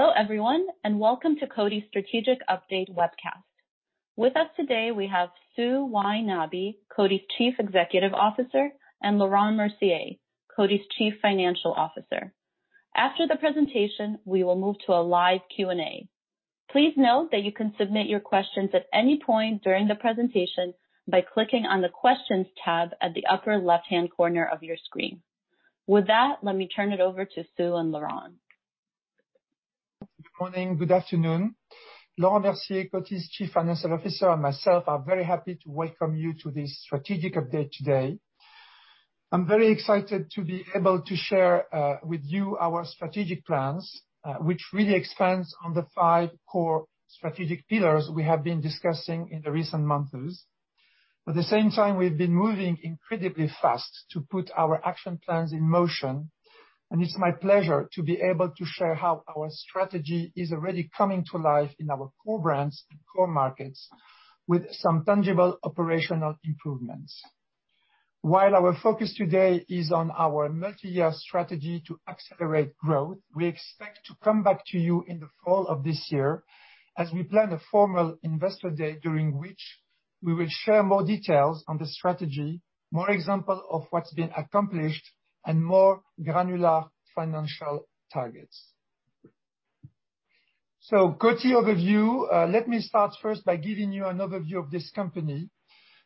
Hello everyone, and welcome to Coty's Strategic Update webcast. With us today, we have Sue Y. Nabi, Coty's Chief Executive Officer, and Laurent Mercier, Coty's Chief Financial Officer. After the presentation, we will move to a live Q&A. Please note that you can submit your questions at any point during the presentation by clicking on the questions tab at the upper left-hand corner of your screen. With that, let me turn it over to Sue and Laurent. Good morning. Good afternoon. Laurent Mercier, Coty's Chief Financial Officer, and myself are very happy to welcome you to this strategic update today. I'm very excited to be able to share with you our strategic plans, which really expands on the five core strategic pillars we have been discussing in the recent months. At the same time, we've been moving incredibly fast to put our action plans in motion, and it's my pleasure to be able to share how our strategy is already coming to life in our core brands and core markets with some tangible operational improvements. While our focus today is on our multi-year strategy to accelerate growth, we expect to come back to you in the fall of this year as we plan a formal investor day during which we will share more details on the strategy, more example of what's been accomplished, and more granular financial targets. Coty overview. Let me start first by giving you an overview of this company,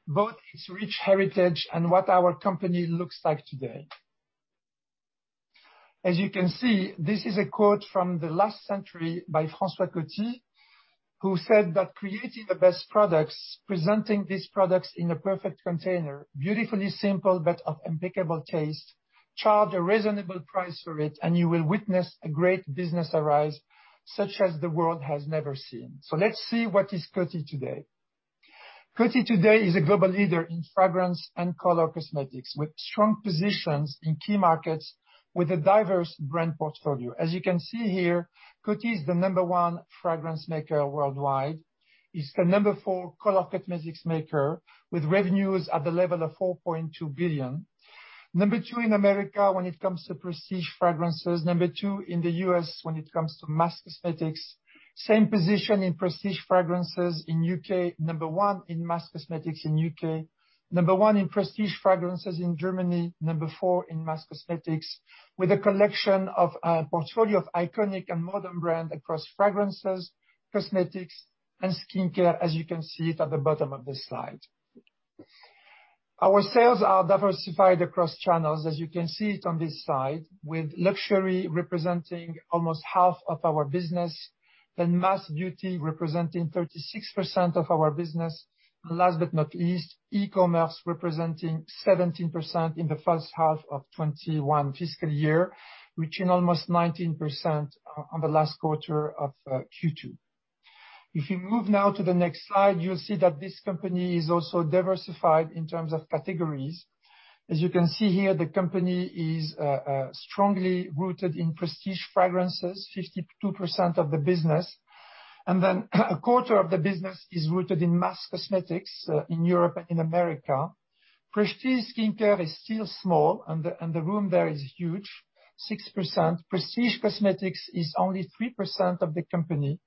both its rich heritage and what our company looks like today. As you can see, this is a quote from the last century by François Coty, who said that creating the best products, presenting these products in a perfect container, beautifully simple, but of impeccable taste, charge a reasonable price for it, and you will witness a great business arise such as the world has never seen. Let's see what is Coty today. Coty today is a global leader in fragrance and color cosmetics, with strong positions in key markets with a diverse brand portfolio. As you can see here, Coty is the number one fragrance maker worldwide. It's the number four color cosmetics maker with revenues at the level of $4.2 billion. Number two in America when it comes to prestige fragrances. Number two in the U.S. when it comes to mass cosmetics. Same position in prestige fragrances in U.K. Number one in mass cosmetics in U.K. Number one in prestige fragrances in Germany. Number four in mass cosmetics with a collection of a portfolio of iconic and modern brand across fragrances, cosmetics and skincare, as you can see it at the bottom of this slide. Our sales are diversified across channels, as you can see it on this slide, with luxury representing almost half of our business. Mass beauty representing 36% of our business. Last but not least, e-commerce representing 17% in the first half of FY 2021, reaching almost 19% on the last quarter of Q2. If you move now to the next slide, you'll see that this company is also diversified in terms of categories. As you can see here, the company is strongly rooted in prestige fragrances, 52% of the business. A quarter of the business is rooted in mass cosmetics in Europe and in America. Prestige skincare is still small, and the room there is huge, 6%. Prestige cosmetics is only 3% of the company.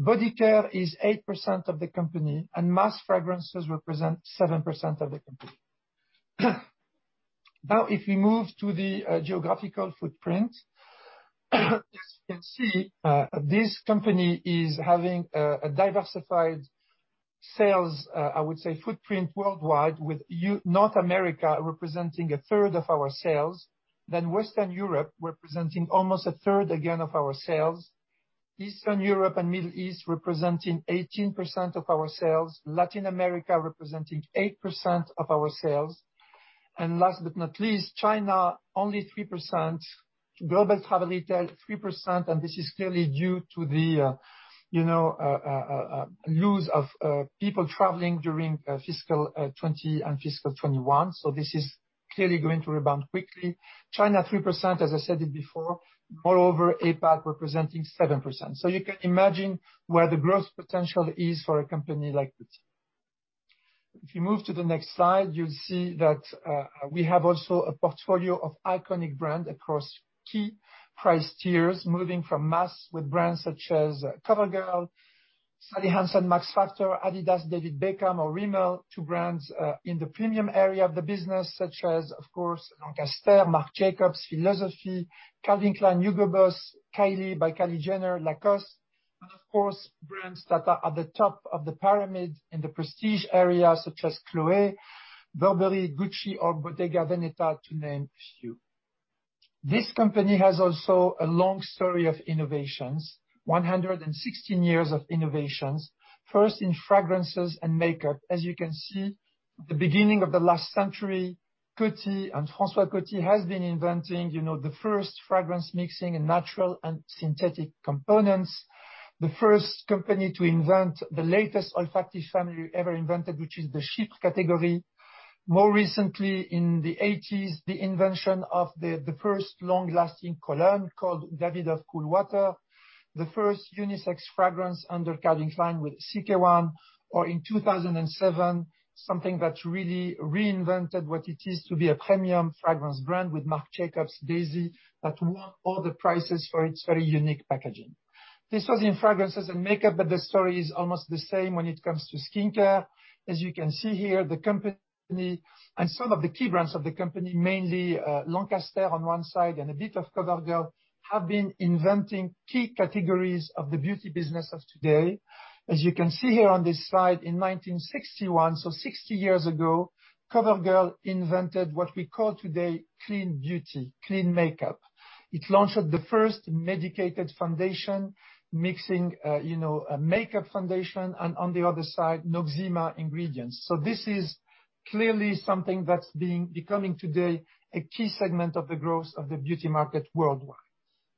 Body care is 8% of the company, and mass fragrances represent 7% of the company. If we move to the geographical footprint, as you can see, this company is having a diversified sales, I would say footprint worldwide with North America representing a third of our sales. Western Europe representing almost a third again of our sales. Eastern Europe and Middle East representing 18% of our sales. Latin America representing 8% of our sales. Last but not least, China only 3%. Global travel retail 3%, and this is clearly due to the loss of people traveling during fiscal 2020 and fiscal 2021. This is clearly going to rebound quickly. China, 3% as I said it before. Moreover, APAC representing 7%. You can imagine where the growth potential is for a company like this. If you move to the next slide, you'll see that we have also a portfolio of iconic brand across key price tiers, moving from mass with brands such as COVERGIRL, Sally Hansen, Max Factor, Adidas, David Beckham or Rimmel to brands in the premium area of the business such as of course, Lancaster, Marc Jacobs, Philosophy, Calvin Klein, Hugo Boss, Kylie by Kylie Jenner, Lacoste and of course, brands that are at the top of the pyramid in the prestige area such as Chloé, Burberry, Gucci or Bottega Veneta to name a few. This company has also a long story of innovations, 116 years of innovations. First in fragrances and makeup. As you can see, the beginning of the last century, Coty and François Coty has been inventing the first fragrance mixing in natural and synthetic components. The first company to invent the latest olfactory family ever invented, which is the chypre category. More recently, in the 1980s, the invention of the first long-lasting cologne called Davidoff Cool Water, the first unisex fragrance under Calvin Klein with CK ONE, or in 2007, something that really reinvented what it is to be a premium fragrance brand with Marc Jacobs Daisy, that won all the prizes for its very unique packaging. This was in fragrances and makeup, but the story is almost the same when it comes to skincare. As you can see here, the company and some of the key brands of the company, mainly Lancaster on one side and a bit of COVERGIRL, have been inventing key categories of the beauty business of today. As you can see here on this slide, in 1961, so 60 years ago, COVERGIRL invented what we call today clean beauty, clean makeup. It launched the first medicated foundation, mixing a makeup foundation and on the other side, Noxzema ingredients. This is clearly something that's becoming today a key segment of the growth of the beauty market worldwide.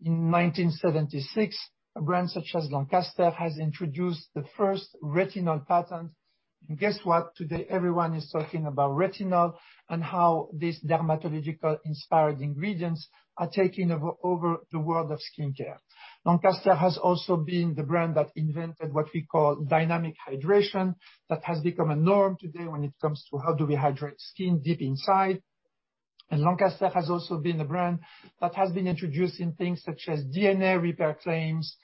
In 1976, a brand such as Lancaster has introduced the first retinol patent. Guess what? Today, everyone is talking about retinol and how these dermatological-inspired ingredients are taking over the world of skincare. Lancaster has also been the brand that invented what we call dynamic hydration. That has become a norm today when it comes to how do we hydrate skin deep inside. Lancaster has also been the brand that has been introducing things such as DNA repair claims,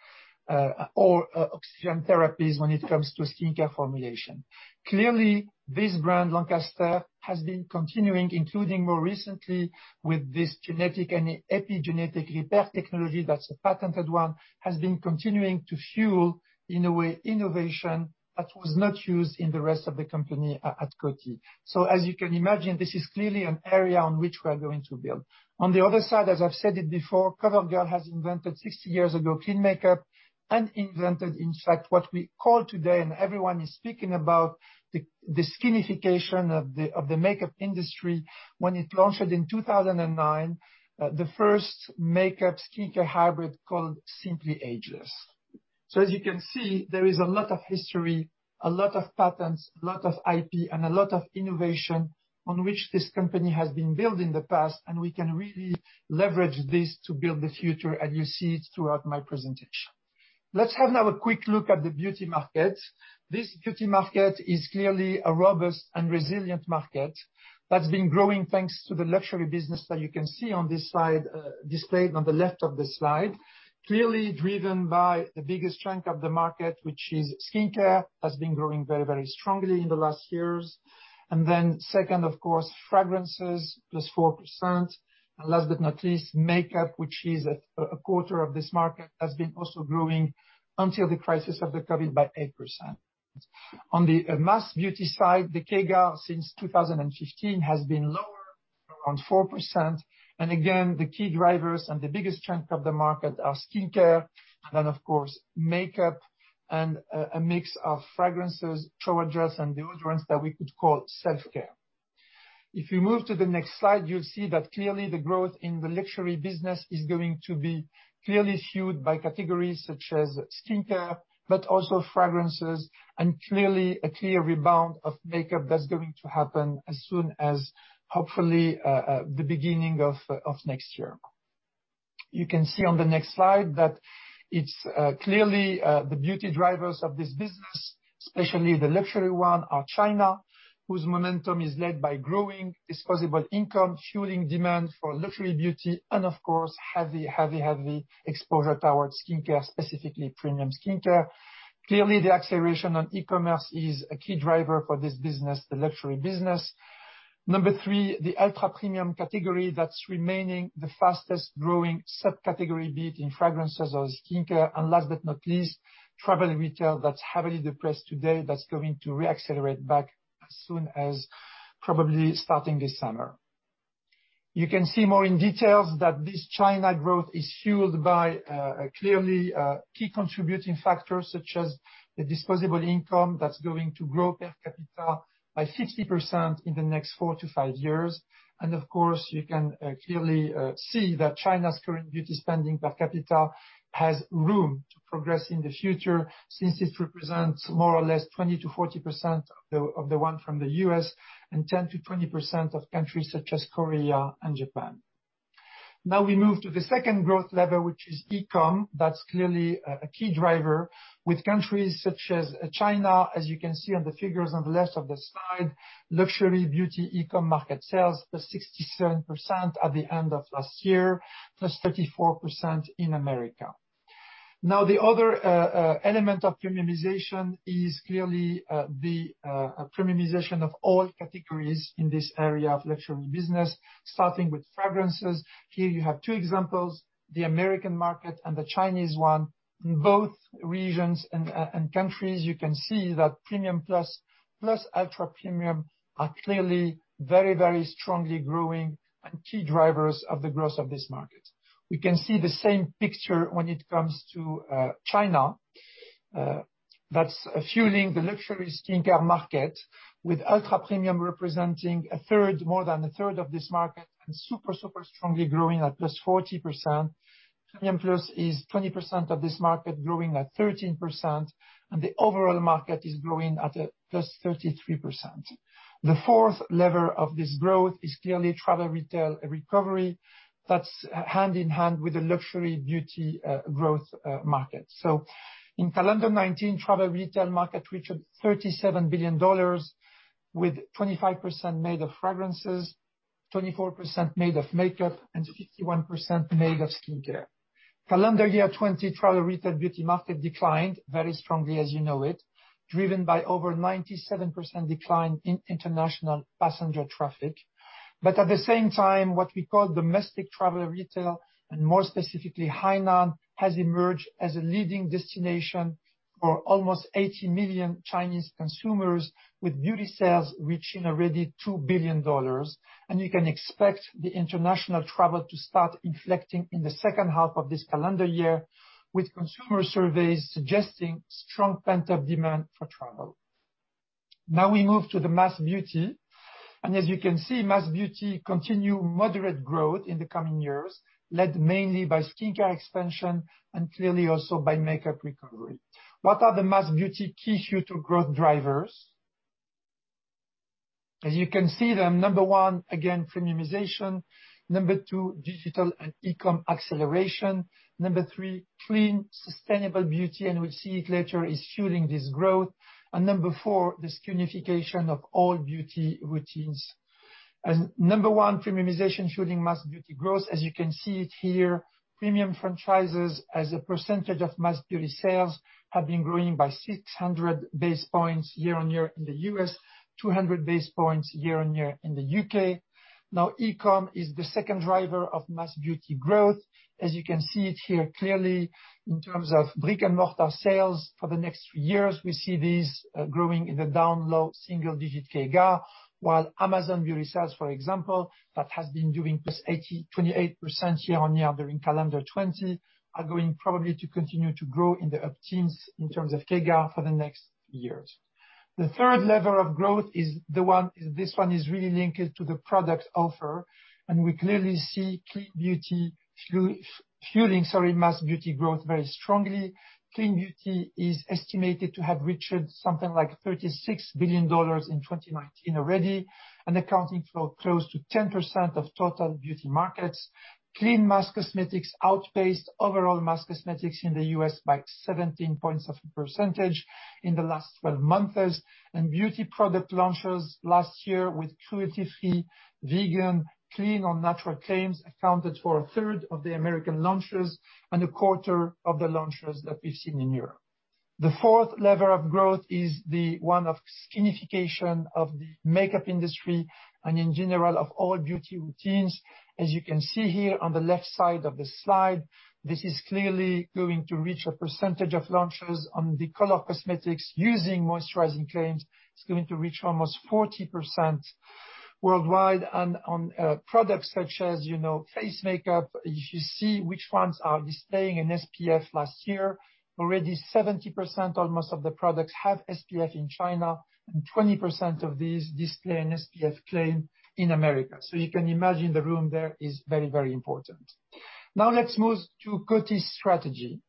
or oxygen therapies when it comes to skincare formulation. Clearly, this brand, Lancaster, has been continuing, including more recently with this genetic and epigenetic repair technology, that's a patented one, has been continuing to fuel, in a way, innovation that was not used in the rest of the company at Coty. On the other side, as I've said it before, COVERGIRL has invented 60 years ago clean makeup and invented, in fact, what we call today, and everyone is speaking about the skinification of the makeup industry when it launched in 2009, the first makeup-skincare hybrid called Simply Ageless. As you can see, there is a lot of history, a lot of patents, a lot of IP, and a lot of innovation on which this company has been built in the past, and we can really leverage this to build the future, and you'll see it throughout my presentation. Let's have now a quick look at the beauty market. This beauty market is clearly a robust and resilient market that's been growing, thanks to the luxury business that you can see on this side, displayed on the left of the slide. Clearly driven by the biggest chunk of the market, which is skincare, has been growing very strongly in the last years. Then second, of course, fragrances, +4%. Last but not least, makeup, which is a quarter of this market, has been also growing until the crisis of the COVID by 8%. On the mass beauty side, the CAGR since 2015 has been lower, around 4%. The key drivers and the biggest chunk of the market are skincare, and then, of course, makeup and a mix of fragrances, shower gels, and deodorants that we could call self-care. If you move to the next slide, you'll see that clearly the growth in the luxury business is going to be clearly fueled by categories such as skincare, but also fragrances and clearly a clear rebound of makeup that's going to happen as soon as, hopefully, the beginning of next year. You can see on the next slide that it's clearly the beauty drivers of this business, especially the luxury one, are China, whose momentum is led by growing disposable income, fueling demand for luxury beauty, and of course, heavy exposure toward skincare, specifically premium skincare. Clearly, the acceleration on e-commerce is a key driver for this business, the luxury business. Number four, the ultra-premium category that's remaining the fastest-growing subcategory, be it in fragrances or skincare. Last but not least, travel retail that's heavily depressed today, that's going to re-accelerate back as soon as probably starting this summer. You can see more in detail that this China growth is fueled by clearly key contributing factors such as the disposable income that's going to grow per capita by 60% in the next four to five years. Of course, you can clearly see that China's current beauty spending per capita has room to progress in the future, since it represents more or less 20%-40% of the one from the U.S., and 10%-20% of countries such as Korea and Japan. Now we move to the second growth lever, which is e-com. That's clearly a key driver with countries such as China. As you can see on the figures on the left of the slide, luxury beauty e-com market sales +67% at the end of last year, +34% in America. The other element of premiumization is clearly the premiumization of all categories in this area of luxury business, starting with fragrances. Here you have two examples, the American market and the Chinese one. In both regions and countries, you can see that premium plus, ultra-premium are clearly very strongly growing key drivers of the growth of this market. We can see the same picture when it comes to China. That's fueling the luxury skincare market, with ultra-premium representing more than a third of this market, and super strongly growing at +40%. Premium plus is 20% of this market, growing at 13%. The overall market is growing at +33%. The fourth lever of this growth is clearly travel retail recovery. That's hand-in-hand with the luxury beauty growth market. In calendar 2019, travel retail market reached $37 billion, with 25% made of fragrances, 24% made of makeup, and 51% made of skincare. Calendar year 2020 travel retail beauty market declined very strongly, as you know it, driven by over 97% decline in international passenger traffic. At the same time, what we call domestic travel retail, and more specifically, Hainan, has emerged as a leading destination for almost 80 million Chinese consumers, with beauty sales reaching already $2 billion. You can expect the international travel to start inflecting in the second half of this calendar year, with consumer surveys suggesting strong pent-up demand for travel. Now we move to the mass beauty. As you can see, mass beauty continue moderate growth in the coming years, led mainly by skincare expansion, clearly also by makeup recovery. What are the mass beauty key future growth drivers? As you can see them, number one, again, premiumization. Number two, digital and e-com acceleration. Number three, clean, sustainable beauty, and we'll see it later, is fueling this growth. Number four, the skinification of all beauty routines. Number one, premiumization fueling mass beauty growth. As you can see it here, premium franchises as a percentage of mass beauty sales have been growing by 600 basis points year-on-year in the U.S., 200 basis points year-on-year in the U.K. E-com is the second driver of mass beauty growth. As you can see it here clearly, in terms of brick-and-mortar sales for the next few years, we see these growing in the down low single-digit CAGR. Amazon Beauty sales, for example, that has been doing +28% year-over-year during calendar 2020, are going probably to continue to grow in the up-teens in terms of CAGR for the next years. The third lever of growth, this one is really linked to the product offer, we clearly see clean beauty fueling mass beauty growth very strongly. Clean beauty is estimated to have reached something like $36 billion in 2019 already, accounting for close to 10% of total beauty markets. Clean mass cosmetics outpaced overall mass cosmetics in the U.S. by 17 percentage points in the last 12 months. Beauty product launches last year with cruelty-free, vegan, clean, or natural claims accounted for a third of the American launches and a quarter of the launches that we've seen in Europe. The fourth lever of growth is the one of skinification of the makeup industry, and in general, of all beauty routines. As you can see here on the left side of the slide, this is clearly going to reach a percentage of launches on the color cosmetics using moisturizing claims. It's going to reach almost 40% worldwide. On products such as face makeup, if you see which ones are displaying an SPF last year, already 70% almost of the products have SPF in China, and 20% of these display an SPF claim in America. You can imagine the room there is very, very important. Now let's move to Coty's strategy.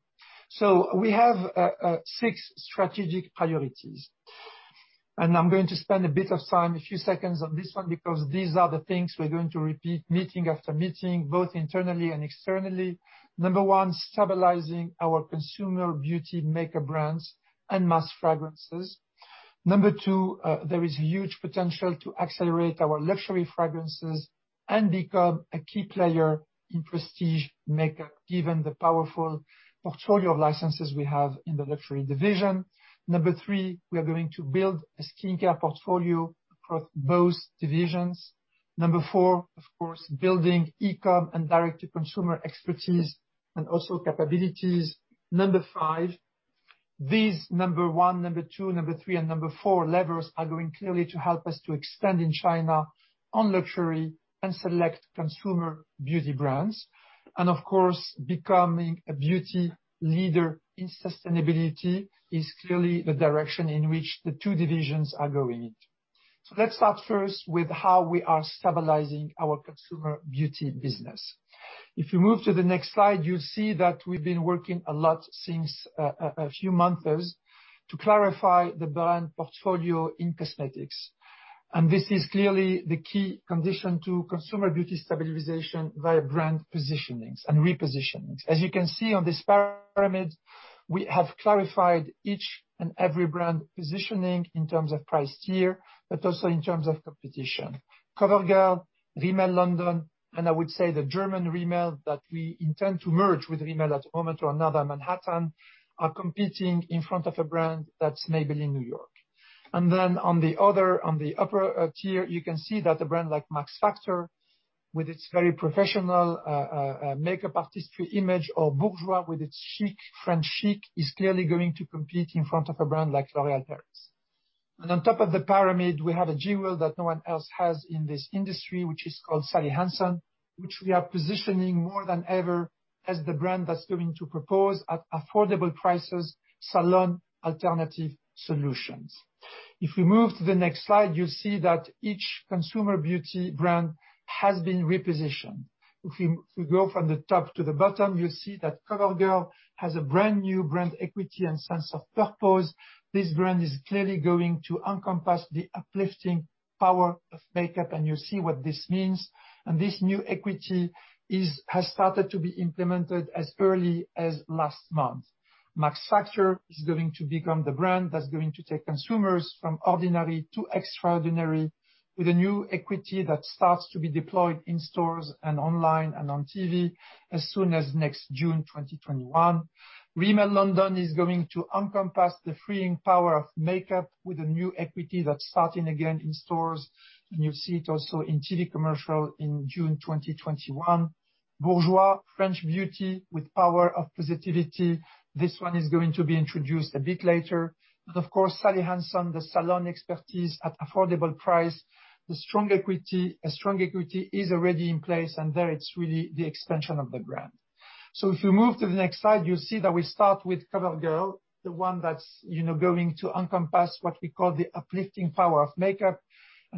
We have six strategic priorities, and I'm going to spend a bit of time, a few seconds on this one, because these are the things we're going to repeat meeting after meeting, both internally and externally. Number one, stabilizing our consumer beauty makeup brands and mass fragrances. Number two, there is huge potential to accelerate our luxury fragrances and become a key player in prestige makeup, given the powerful portfolio of licenses we have in the luxury division. Number three, we are going to build a skincare portfolio across both divisions. Number four, of course, building e-com and direct-to-consumer expertise, and also capabilities. Number five, these number one, number two, number three, and number four levers are going clearly to help us to extend in China on luxury and select consumer beauty brands. Of course, becoming a beauty leader in sustainability is clearly the direction in which the two divisions are going in. Let's start first with how we are stabilizing our consumer beauty business. If you move to the next slide, you'll see that we've been working a lot since a few months to clarify the brand portfolio in cosmetics. This is clearly the key condition to consumer beauty stabilization via brand positionings and repositionings. As you can see on this pyramid, we have clarified each and every brand positioning in terms of price tier, but also in terms of competition. COVERGIRL, Rimmel London, and I would say the German Rimmel that we intend to merge with Rimmel at a moment or another, Manhattan, are competing in front of a brand that's labeled in New York. On the upper tier, you can see that a brand like Max Factor, with its very professional makeup artistry image, or Bourjois with its chic, French chic, is clearly going to compete in front of a brand like L'Oréal Paris. On top of the pyramid, we have a jewel that no one else has in this industry, which is called Sally Hansen, which we are positioning more than ever as the brand that's going to propose at affordable prices, salon alternative solutions. If we move to the next slide, you'll see that each consumer beauty brand has been repositioned. If we go from the top to the bottom, you'll see that COVERGIRL has a brand-new brand equity and sense of purpose. This brand is clearly going to encompass the uplifting power of makeup, and you see what this means. This new equity has started to be implemented as early as last month. Max Factor is going to become the brand that's going to take consumers from ordinary to extraordinary with a new equity that starts to be deployed in stores and online and on TV as soon as next June 2021. Rimmel London is going to encompass the freeing power of makeup with a new equity that's starting again in stores. You'll see it also in TV commercial in June 2021. Bourjois, French beauty with power of positivity. This one is going to be introduced a bit later. Of course, Sally Hansen, the salon expertise at affordable price. A strong equity is already in place, and there it's really the extension of the brand. If you move to the next slide, you'll see that we start with COVERGIRL, the one that's going to encompass what we call the uplifting power of makeup.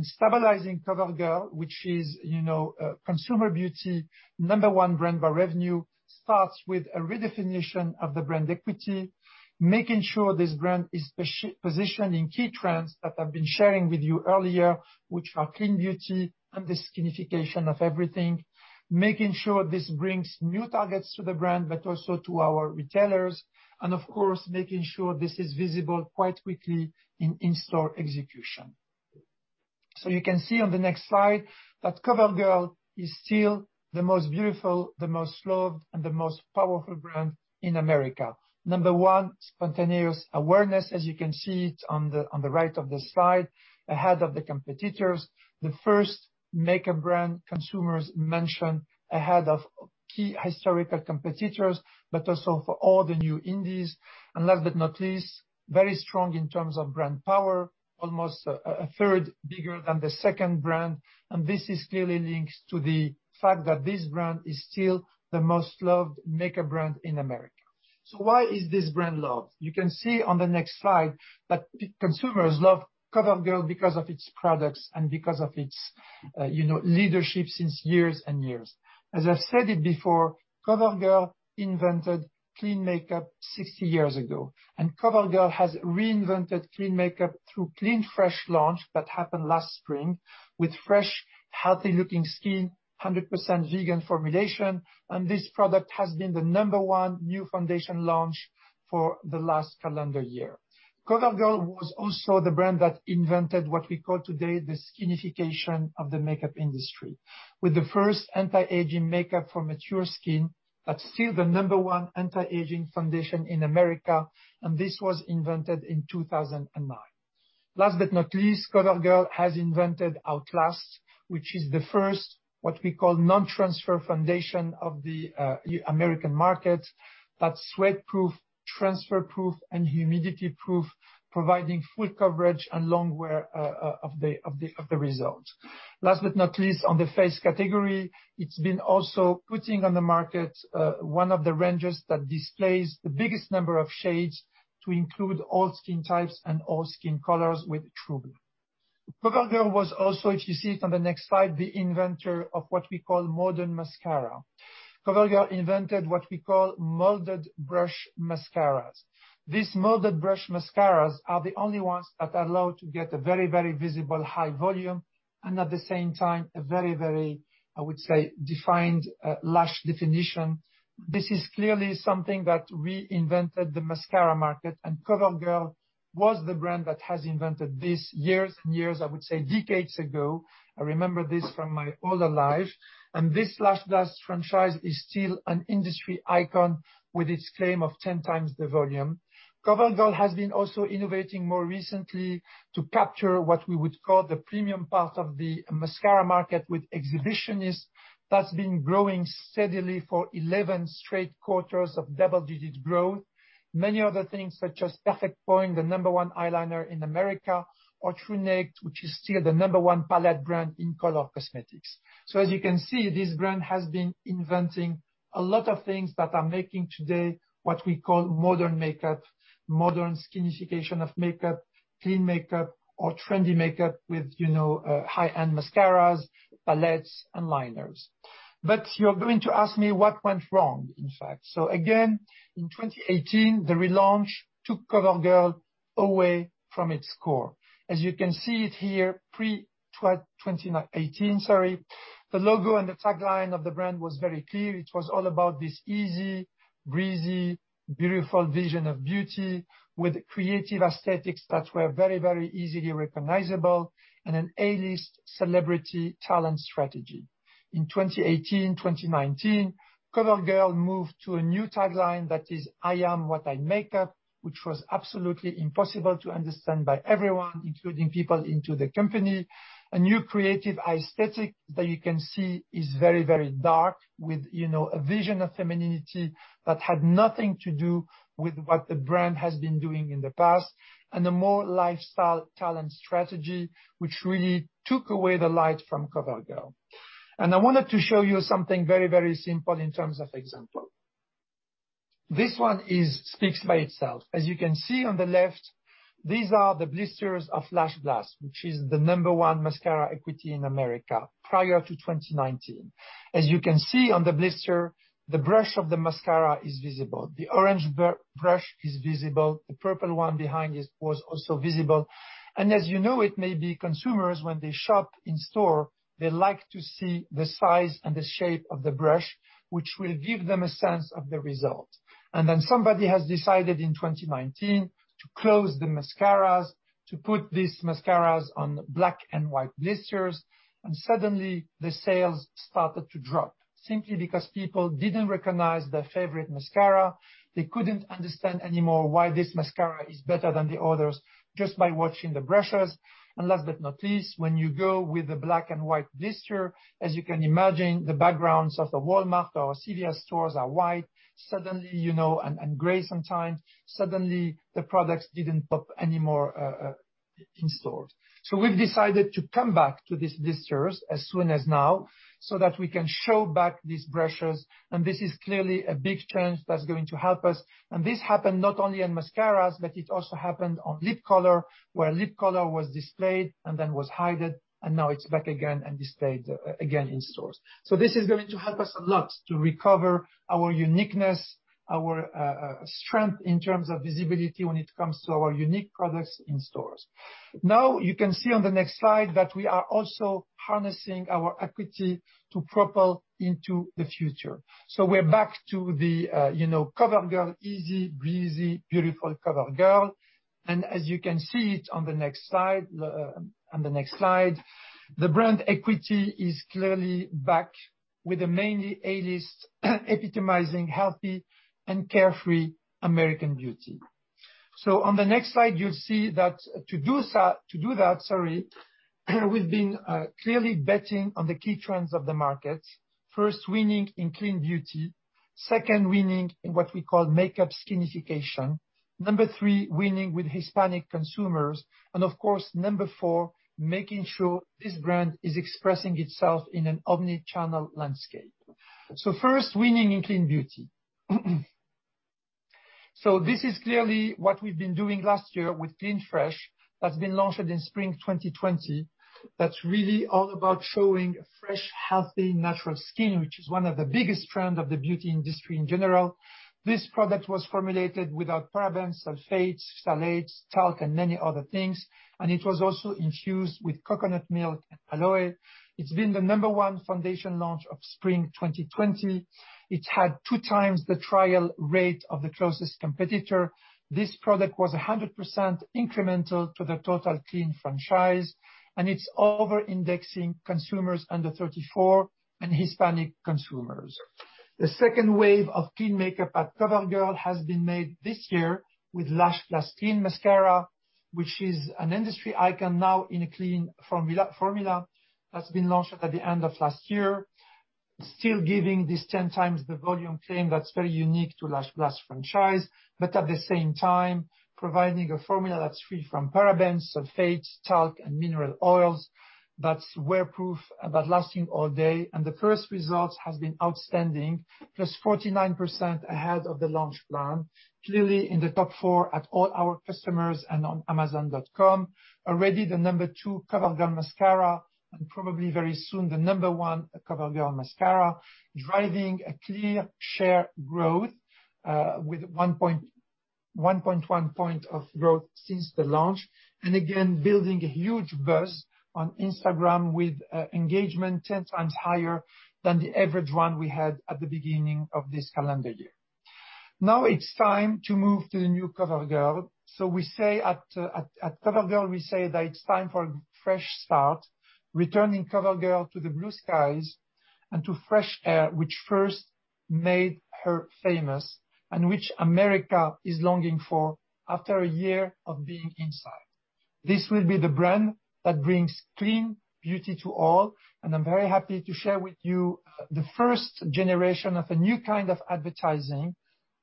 Stabilizing COVERGIRL, which is consumer beauty number one brand by revenue, starts with a redefinition of the brand equity, making sure this brand is positioned in key trends that I've been sharing with you earlier, which are clean beauty and the skinification of everything, making sure this brings new targets to the brand, but also to our retailers, and of course, making sure this is visible quite quickly in in-store execution. You can see on the next slide that COVERGIRL is still the most beautiful, the most loved, and the most powerful brand in America. Number one, spontaneous awareness, as you can see it on the right of the slide, ahead of the competitors. The first makeup brand consumers mention ahead of key historical competitors, but also for all the new indies. Last but not least, very strong in terms of brand power, almost a third bigger than the second brand. This is clearly linked to the fact that this brand is still the most loved makeup brand in America. Why is this brand loved? You can see on the next slide that consumers love COVERGIRL because of its products and because of its leadership since years and years. As I've said it before, COVERGIRL invented clean makeup 60 years ago, COVERGIRL has reinvented clean makeup through Clean Fresh launch that happened last spring with fresh, healthy-looking skin, 100% vegan formulation, and this product has been the number one new foundation launch for the last calendar year. COVERGIRL was also the brand that invented what we call today the skinification of the makeup industry with the first anti-aging makeup for mature skin, that is still the number one anti-aging foundation in America, and this was invented in 2009. Last but not least, COVERGIRL has invented Outlast, which is the first, what we call non-transfer foundation of the American market, that is sweat-proof, transfer-proof, and humidity-proof, providing full coverage and long wear of the result. Last but not least, on the face category, it has been also putting on the market one of the ranges that displays the biggest number of shades to include all skin types and all skin colors with TruBlend. COVERGIRL was also, if you see it on the next slide, the inventor of what we call modern mascara. COVERGIRL invented what we call molded brush mascaras. These molded brush mascaras are the only ones that allow to get a very visible high volume, and at the same time, a very, I would say, defined, lash definition. This is clearly something that reinvented the mascara market. COVERGIRL was the brand that has invented this years and years, I would say, decades ago. I remember this from my older life. This Lash Blast franchise is still an industry icon with its claim of 10x the volume. COVERGIRL has been also innovating more recently to capture what we would call the premium part of the mascara market with Exhibitionist. That's been growing steadily for 11 straight quarters of double-digit growth. Many other things such as Perfect Point, the number one eyeliner in America, or TruNaked, which is still the number one palette brand in color cosmetics. As you can see, this brand has been inventing a lot of things that are making today what we call modern makeup, modern skinification of makeup, clean makeup or trendy makeup with high-end mascaras, palettes, and liners. You're going to ask me what went wrong, in fact. Again, in 2018, the relaunch took COVERGIRL away from its core. As you can see it here, pre-2018, the logo and the tagline of the brand was very clear. It was all about this easy, breezy, beautiful vision of beauty with creative aesthetics that were very easily recognizable and an A-list celebrity talent strategy. In 2018, 2019, COVERGIRL moved to a new tagline that is, "I Am What I Make Up," which was absolutely impossible to understand by everyone, including people into the company. A new creative aesthetic that you can see is very dark with a vision of femininity that had nothing to do with what the brand has been doing in the past, and a more lifestyle talent strategy, which really took away the light from COVERGIRL. I wanted to show you something very, very simple in terms of example. This one speaks by itself. As you can see on the left, these are the blisters of Lash Blast, which is the number one mascara equity in America prior to 2019. As you can see on the blister, the brush of the mascara is visible. The orange brush is visible, the purple one behind it was also visible. And as you know, it may be consumers, when they shop in store, they like to see the size and the shape of the brush, which will give them a sense of the result. Somebody has decided in 2019 to close the mascaras, to put these mascaras on black and white blisters, and suddenly the sales started to drop simply because people didn't recognize their favorite mascara. They couldn't understand anymore why this mascara is better than the others just by watching the brushes. Last but not least, when you go with the black and white blister, as you can imagine, the backgrounds of the Walmart or CVS stores are white and gray sometimes. Suddenly, the products didn't pop anymore, in stores. We've decided to come back to these blisters as soon as now so that we can show back these brushes. This is clearly a big change that's going to help us. This happened not only on mascaras, but it also happened on lip color, where lip color was displayed and then was hidden, and now it's back again and displayed again in stores. This is going to help us a lot to recover our uniqueness, our strength in terms of visibility when it comes to our unique products in stores. You can see on the next slide that we are also harnessing our equity to propel into the future. We're back to the COVERGIRL easy, breezy, beautiful COVERGIRL. As you can see it on the next slide, the brand equity is clearly back with a mainly '80s epitomizing healthy and carefree American beauty. On the next slide, you'll see that to do that, we've been clearly betting on the key trends of the market. First, winning in clean beauty. Second, winning in what we call makeup skinification. Number three, winning with Hispanic consumers. Of course, number four, making sure this brand is expressing itself in an omni-channel landscape. First, winning in clean beauty. This is clearly what we've been doing last year with Clean Fresh that's been launched in spring 2020. That's really all about showing fresh, healthy, natural skin, which is one of the biggest trend of the beauty industry in general. This product was formulated without parabens, sulfates, phthalates, talc, and many other things, and it was also infused with coconut milk and aloe. It's been the number one foundation launch of spring 2020. It had 2x the trial rate of the closest competitor. This product was 100% incremental to the total Clean franchise, and it's over-indexing consumers under 34 and Hispanic consumers. The second wave of clean makeup at COVERGIRL has been made this year with Lash Blast Clean Mascara, which is an industry icon now in a clean formula that's been launched at the end of last year. Still giving this 10x the volume claim that's very unique to Lash Blast franchise, but at the same time, providing a formula that's free from parabens, sulfates, talc, and mineral oils, that's wear-proof, about lasting all day. The first result has been outstanding, plus 49% ahead of the launch plan. Clearly in the top four at all our customers and on amazon.com. Already the number two COVERGIRL mascara, and probably very soon the number one COVERGIRL mascara, driving a clear share growth, with 1.1 point of growth since the launch. Again, building a huge buzz on Instagram with engagement 10x higher than the average one we had at the beginning of this calendar year. It's time to move to the new COVERGIRL. We say at COVERGIRL that it's time for a fresh start, returning COVERGIRL to the blue skies and to fresh air, which first made her famous and which America is longing for after a year of being inside. This will be the brand that brings clean beauty to all, and I'm very happy to share with you the first generation of a new kind of advertising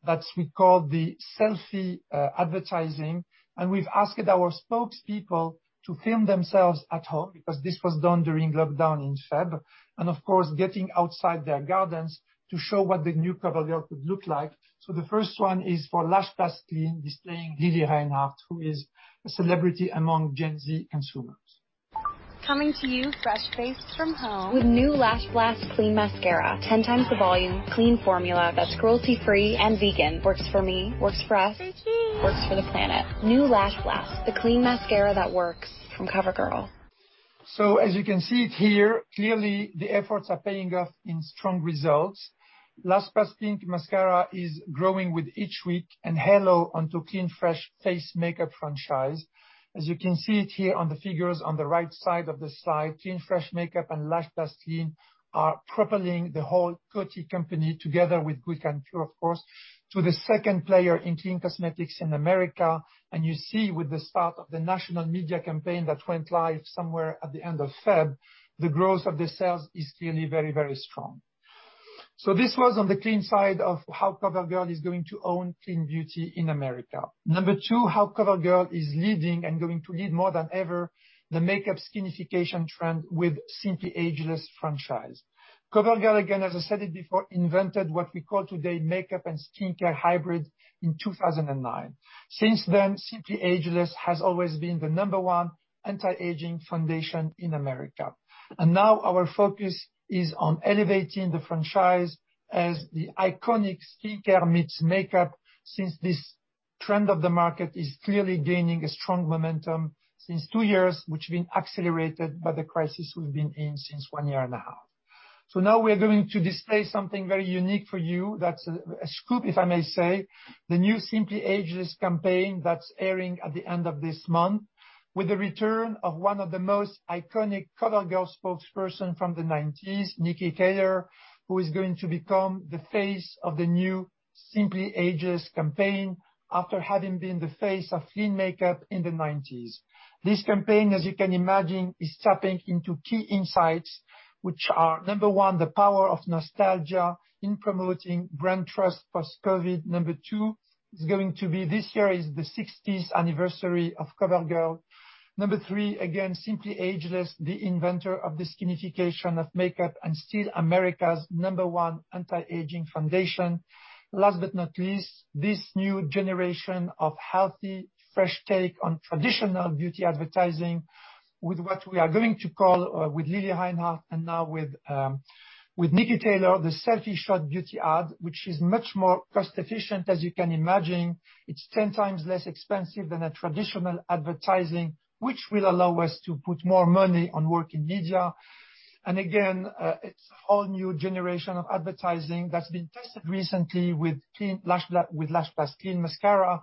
that we call the selfie advertising. We've asked our spokespeople to film themselves at home because this was done during lockdown in February. Of course, getting outside their gardens to show what the new COVERGIRL could look like. The first one is for Lash Blast Clean, displaying Lili Reinhart, who is a celebrity among Gen Z consumers. Coming to you fresh-faced from home with new Lash Blast Clean Mascara. Ten times the volume, clean formula that's cruelty-free and vegan. Works for me, works for us. Say cheese. Works for the planet. New Lash Blast, the clean mascara that works. From COVERGIRL. As you can see it here, clearly the efforts are paying off in strong results. Lash Blast Clean Mascara is growing with each week, and halo onto Clean Fresh face makeup franchise. As you can see it here on the figures on the right side of the slide, Clean Fresh makeup and Lash Blast Clean are propelling the whole Coty, together with Good Kind Pure, of course, to the second player in clean cosmetics in America. You see with the start of the national media campaign that went live somewhere at the end of February, the growth of the sales is clearly very, very strong. This was on the clean side of how COVERGIRL is going to own clean beauty in America. Number two, how COVERGIRL is leading and going to lead more than ever, the makeup skinification trend with Simply Ageless franchise. COVERGIRL, again, as I said it before, invented what we call today makeup and skincare hybrid in 2009. Since then, Simply Ageless has always been the number one anti-aging foundation in America. Now our focus is on elevating the franchise as the iconic skincare-meets-makeup, since this trend of the market is clearly gaining a strong momentum since two years, which been accelerated by the crisis we've been in since one year and a half. Now we're going to display something very unique for you that's a scoop, if I may say. The new Simply Ageless campaign that's airing at the end of this month, with the return of one of the most iconic COVERGIRL spokesperson from the 1990s, Niki Taylor, who is going to become the face of the new Simply Ageless campaign after having been the face of clean makeup in the 1990s. This campaign, as you can imagine, is tapping into key insights, which are, number one, the power of nostalgia in promoting brand trust post-COVID. Number two is going to be this year is the 60th anniversary of COVERGIRL. Number three, again, Simply Ageless, the inventor of the skinification of makeup and still America's number one anti-aging foundation. Last but not least, this new generation of healthy, fresh take on traditional beauty advertising with what we are going to call, with Lili Reinhart and now with Niki Taylor, the selfie shot beauty ad, which is much more cost-efficient, as you can imagine. It's 10x less expensive than a traditional advertising, which will allow us to put more money on work in media. It's a whole new generation of advertising that's been tested recently with Lash Blast Clean mascara,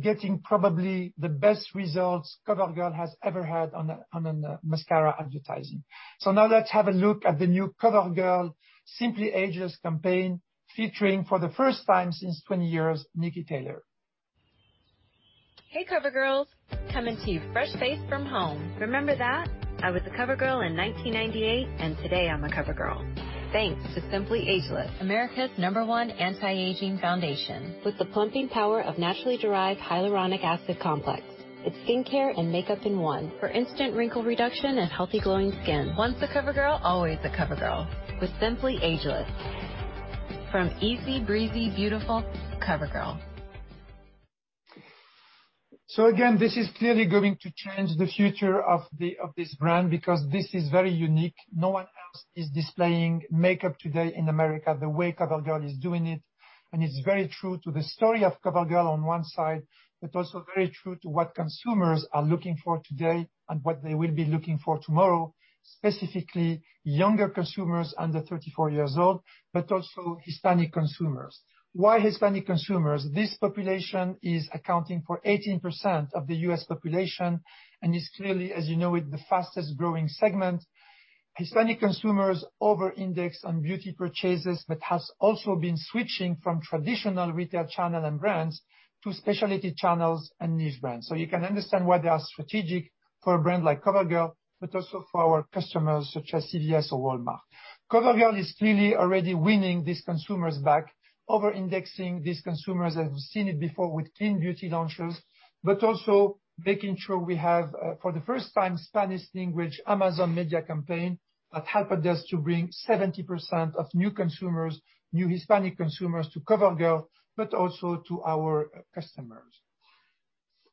getting probably the best results COVERGIRL has ever had on a mascara advertising. Now let's have a look at the new COVERGIRL Simply Ageless campaign, featuring for the first time since 20 years, Niki Taylor. Hey, COVERGIRL. Coming to you fresh faced from home. Remember that? I was a COVERGIRL in 1998, and today I'm a COVERGIRL. Thanks to Simply Ageless, America's number one anti-aging foundation with the plumping power of naturally derived hyaluronic acid complex. It's skincare and makeup in one for instant wrinkle reduction and healthy glowing skin. Once a COVERGIRL, always a COVERGIRL with Simply Ageless. From easy, breezy, beautiful COVERGIRL. Again, this is clearly going to change the future of this brand because this is very unique. No one else is displaying makeup today in America the way COVERGIRL is doing it, and it's very true to the story of COVERGIRL on one side, but also very true to what consumers are looking for today and what they will be looking for tomorrow, specifically younger consumers under 34 years old, but also Hispanic consumers. Why Hispanic consumers? This population is accounting for 18% of the U.S. population and is clearly, as you know, the fastest growing segment. Hispanic consumers over-index on beauty purchases, but has also been switching from traditional retail channel and brands to specialty channels and niche brands. You can understand why they are strategic for a brand like COVERGIRL, but also for our customers such as CVS or Walmart. COVERGIRL is clearly already winning these consumers back, over-indexing these consumers, as we've seen it before with clean beauty launches, but also making sure we have, for the first time, Spanish language Amazon media campaign that helped us to bring 70% of new consumers, new Hispanic consumers, to COVERGIRL, but also to our customers.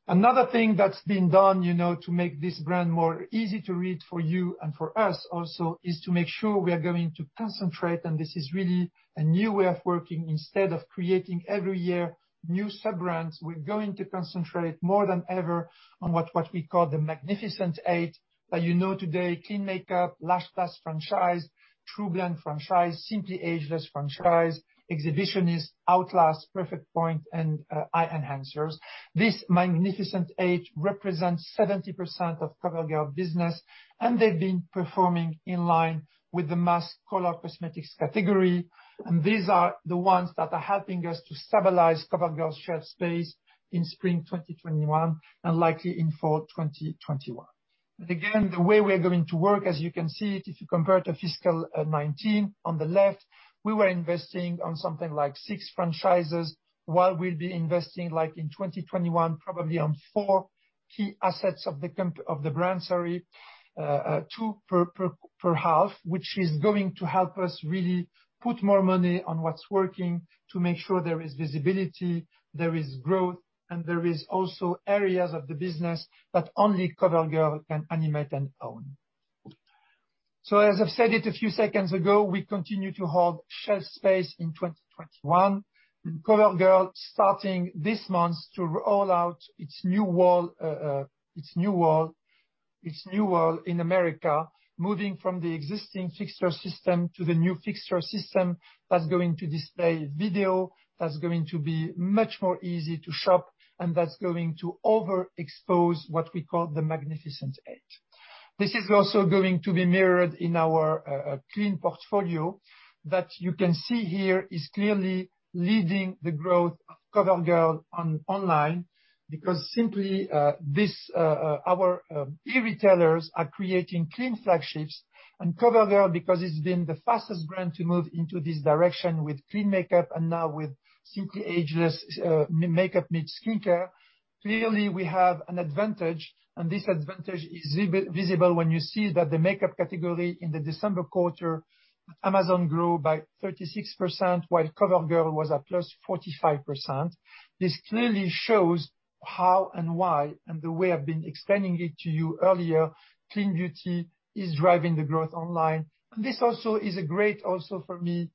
Another thing that's been done to make this brand more easy to read for you and for us also is to make sure we are going to concentrate, and this is really a new way of working. Instead of creating every year new sub-brands, we're going to concentrate more than ever on what we call the Magnificent Eight. As you know today, clean makeup, Lash Blast franchise, TruBlend franchise, Simply Ageless franchise, Exhibitionist, Outlast, Perfect Point, and Eye Enhancers. This Magnificent Eight represents 70% of COVERGIRL business, they've been performing in line with the mass color cosmetics category. These are the ones that are helping us to stabilize COVERGIRL shelf space in spring 2021 and likely in fall 2021. Again, the way we are going to work, as you can see it, if you compare to fiscal 2019 on the left, we were investing on something like six franchises, while we'll be investing like in 2021, probably on four key assets of the brand, sorry, two per half, which is going to help us really put more money on what's working to make sure there is visibility, there is growth, and there is also areas of the business that only COVERGIRL can animate and own. As I've said it a few seconds ago, we continue to hold shelf space in 2021. COVERGIRL starting this month to roll out its new wall in America, moving from the existing fixture system to the new fixture system that's going to display video, that's going to be much more easy to shop, and that's going to overexpose what we call the Magnificent Eight. This is also going to be mirrored in our clean portfolio that you can see here is clearly leading the growth of COVERGIRL on online, because simply our e-retailers are creating clean flagships and COVERGIRL, because it's been the fastest brand to move into this direction with clean makeup and now with Simply Ageless makeup meets skincare. Clearly, we have an advantage, and this advantage is visible when you see that the makeup category in the December quarter at Amazon grew by 36%, while COVERGIRL was at +45%. This clearly shows how and why, and the way I've been explaining it to you earlier, clean beauty is driving the growth online. This also is a great, also for me,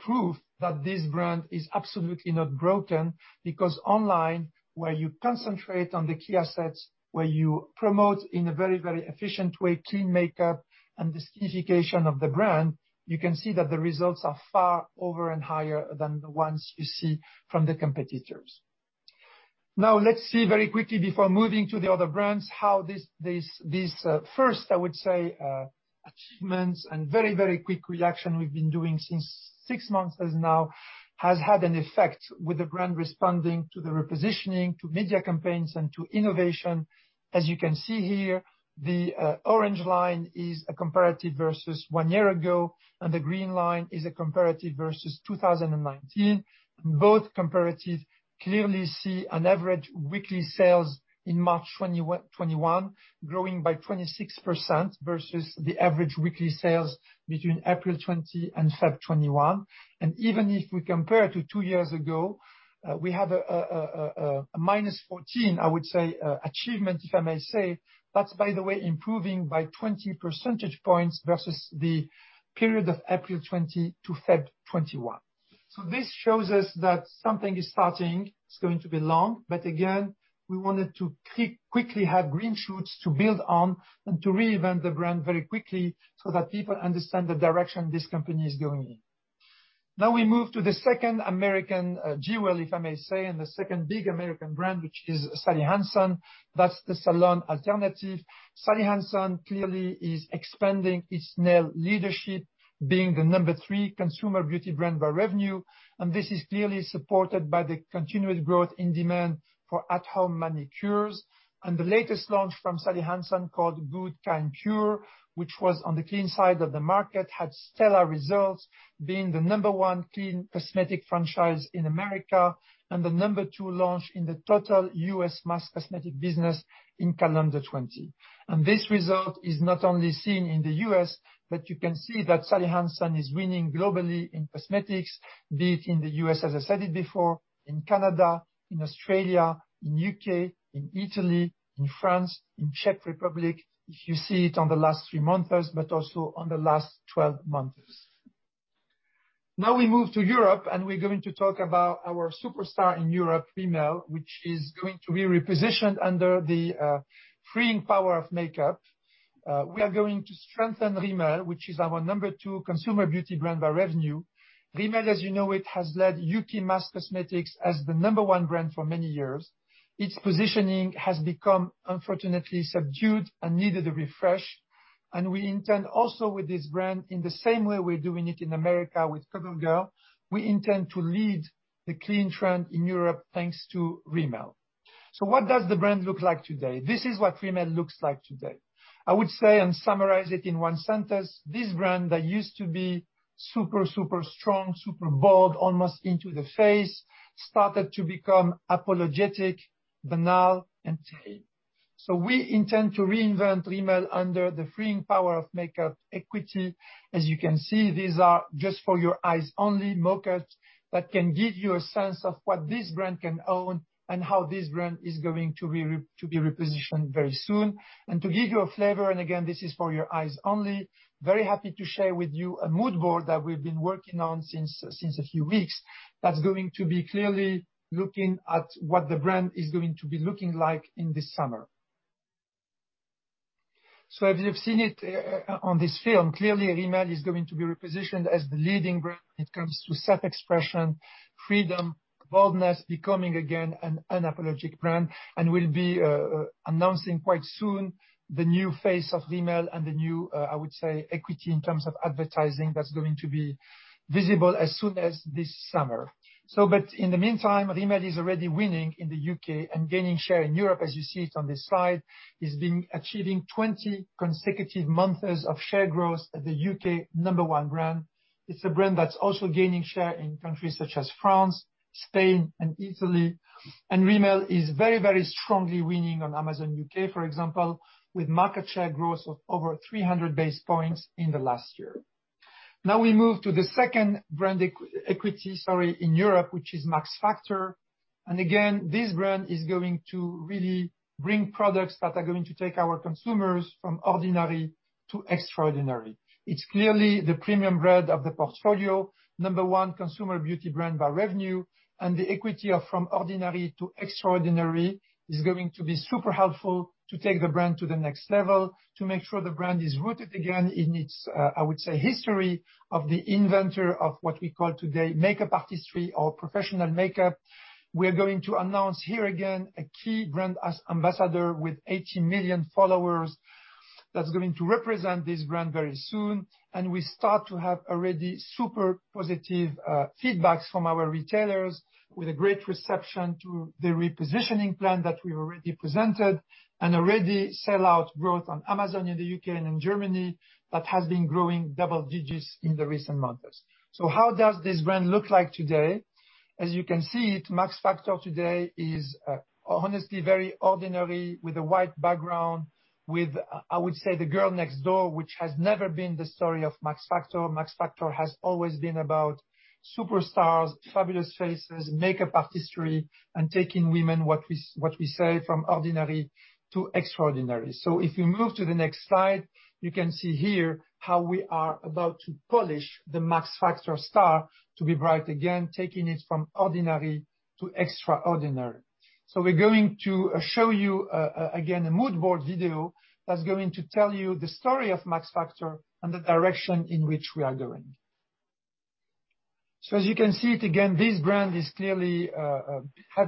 proof, that this brand is absolutely not broken, because online, where you concentrate on the key assets, where you promote in a very, very efficient way clean makeup and the skinification of the brand, you can see that the results are far over and higher than the ones you see from the competitors. Let's see very quickly before moving to the other brands how these first, I would say, achievements and very, very quick reaction we've been doing since six months as now, has had an effect with the brand responding to the repositioning, to media campaigns, and to innovation. As you can see here, the orange line is a comparative versus one year ago, the green line is a comparative versus 2019. Both comparatives clearly see an average weekly sales in March 2021 growing by 26% versus the average weekly sales between April 2020 and February 2021. Even if we compare to two years ago, we have a -14, I would say, achievement, if I may say. That's by the way, improving by 20 percentage points versus the period of April 2020 to February 2021. This shows us that something is starting. It's going to be long, again, we wanted to quickly have green shoots to build on and to reinvent the brand very quickly so that people understand the direction this company is going in. Now we move to the second American jewel, if I may say, and the second big American brand, which is Sally Hansen. That's the salon alternative. Sally Hansen clearly is expanding its nail leadership, being the number three consumer beauty brand by revenue. This is clearly supported by the continuous growth in demand for at-home manicures. The latest launch from Sally Hansen called Good Kind Pure, which was on the clean side of the market, had stellar results being the number one clean cosmetic franchise in America, and the number two launch in the total U.S. mass cosmetic business in calendar 2020. This result is not only seen in the U.S., but you can see that Sally Hansen is winning globally in cosmetics, be it in the U.S., as I said it before, in Canada, in Australia, in U.K., in Italy, in France, in Czech Republic. If you see it on the last three months, but also on the last 12 months. We move to Europe and we're going to talk about our superstar in Europe, Rimmel, which is going to be repositioned under the freeing power of makeup. We are going to strengthen Rimmel, which is our number two consumer beauty brand by revenue. Rimmel, as you know it, has led U.K. mass cosmetics as the number one brand for many years. Its positioning has become, unfortunately, subdued and needed a refresh, and we intend also with this brand, in the same way we're doing it in America with COVERGIRL, we intend to lead the clean trend in Europe, thanks to Rimmel. What does the brand look like today? This is what Rimmel looks like today. I would say and summarize it in one sentence, this brand that used to be super strong, super bold, almost into the face, started to become apologetic, banal, and tame. We intend to reinvent Rimmel under the freeing power of makeup equity. As you can see, these are just for your eyes only mock-ups that can give you a sense of what this brand can own, and how this brand is going to be repositioned very soon. To give you a flavor, and again, this is for your eyes only, very happy to share with you a mood board that we've been working on since a few weeks that's going to be clearly looking at what the brand is going to be looking like in the summer. As you've seen it on this film, clearly, Rimmel is going to be repositioned as the leading brand when it comes to self-expression, freedom, boldness, becoming again an unapologetic brand, and we'll be announcing quite soon the new face of Rimmel and the new, I would say, equity in terms of advertising that's going to be visible as soon as this summer. In the meantime, Rimmel is already winning in the U.K. and gaining share in Europe, as you see it on this slide, is achieving 20 consecutive months of share growth as the U.K. number one brand. It's a brand that's also gaining share in countries such as France, Spain, and Italy. Rimmel is very, very strongly winning on Amazon UK, for example, with market share growth of over 300 base points in the last year. We move to the second brand equity in Europe, which is Max Factor. Again, this brand is going to really bring products that are going to take our consumers from ordinary to extraordinary. It's clearly the premium brand of the portfolio, number one consumer beauty brand by revenue, and the equity of from ordinary to extraordinary is going to be super helpful to take the brand to the next level, to make sure the brand is rooted again in its, I would say, history of the inventor of what we call today makeup artistry or professional makeup. We're going to announce here again a key brand ambassador with 80 million followers. That's going to represent this brand very soon, and we start to have already super positive feedbacks from our retailers with a great reception to the repositioning plan that we've already presented, and already sell-out growth on Amazon in the U.K. and in Germany that has been growing double digits in the recent months. How does this brand look like today? As you can see it, Max Factor today is honestly very ordinary, with a white background, with, I would say, the girl next door, which has never been the story of Max Factor. Max Factor has always been about superstars, fabulous faces, makeup artistry, and taking women, what we say, from ordinary to extraordinary. If you move to the next slide, you can see here how we are about to polish the Max Factor star to be bright again, taking it from ordinary to extraordinary. We're going to show you, again, a mood board video that's going to tell you the story of Max Factor and the direction in which we are going. As you can see it again, this brand has clearly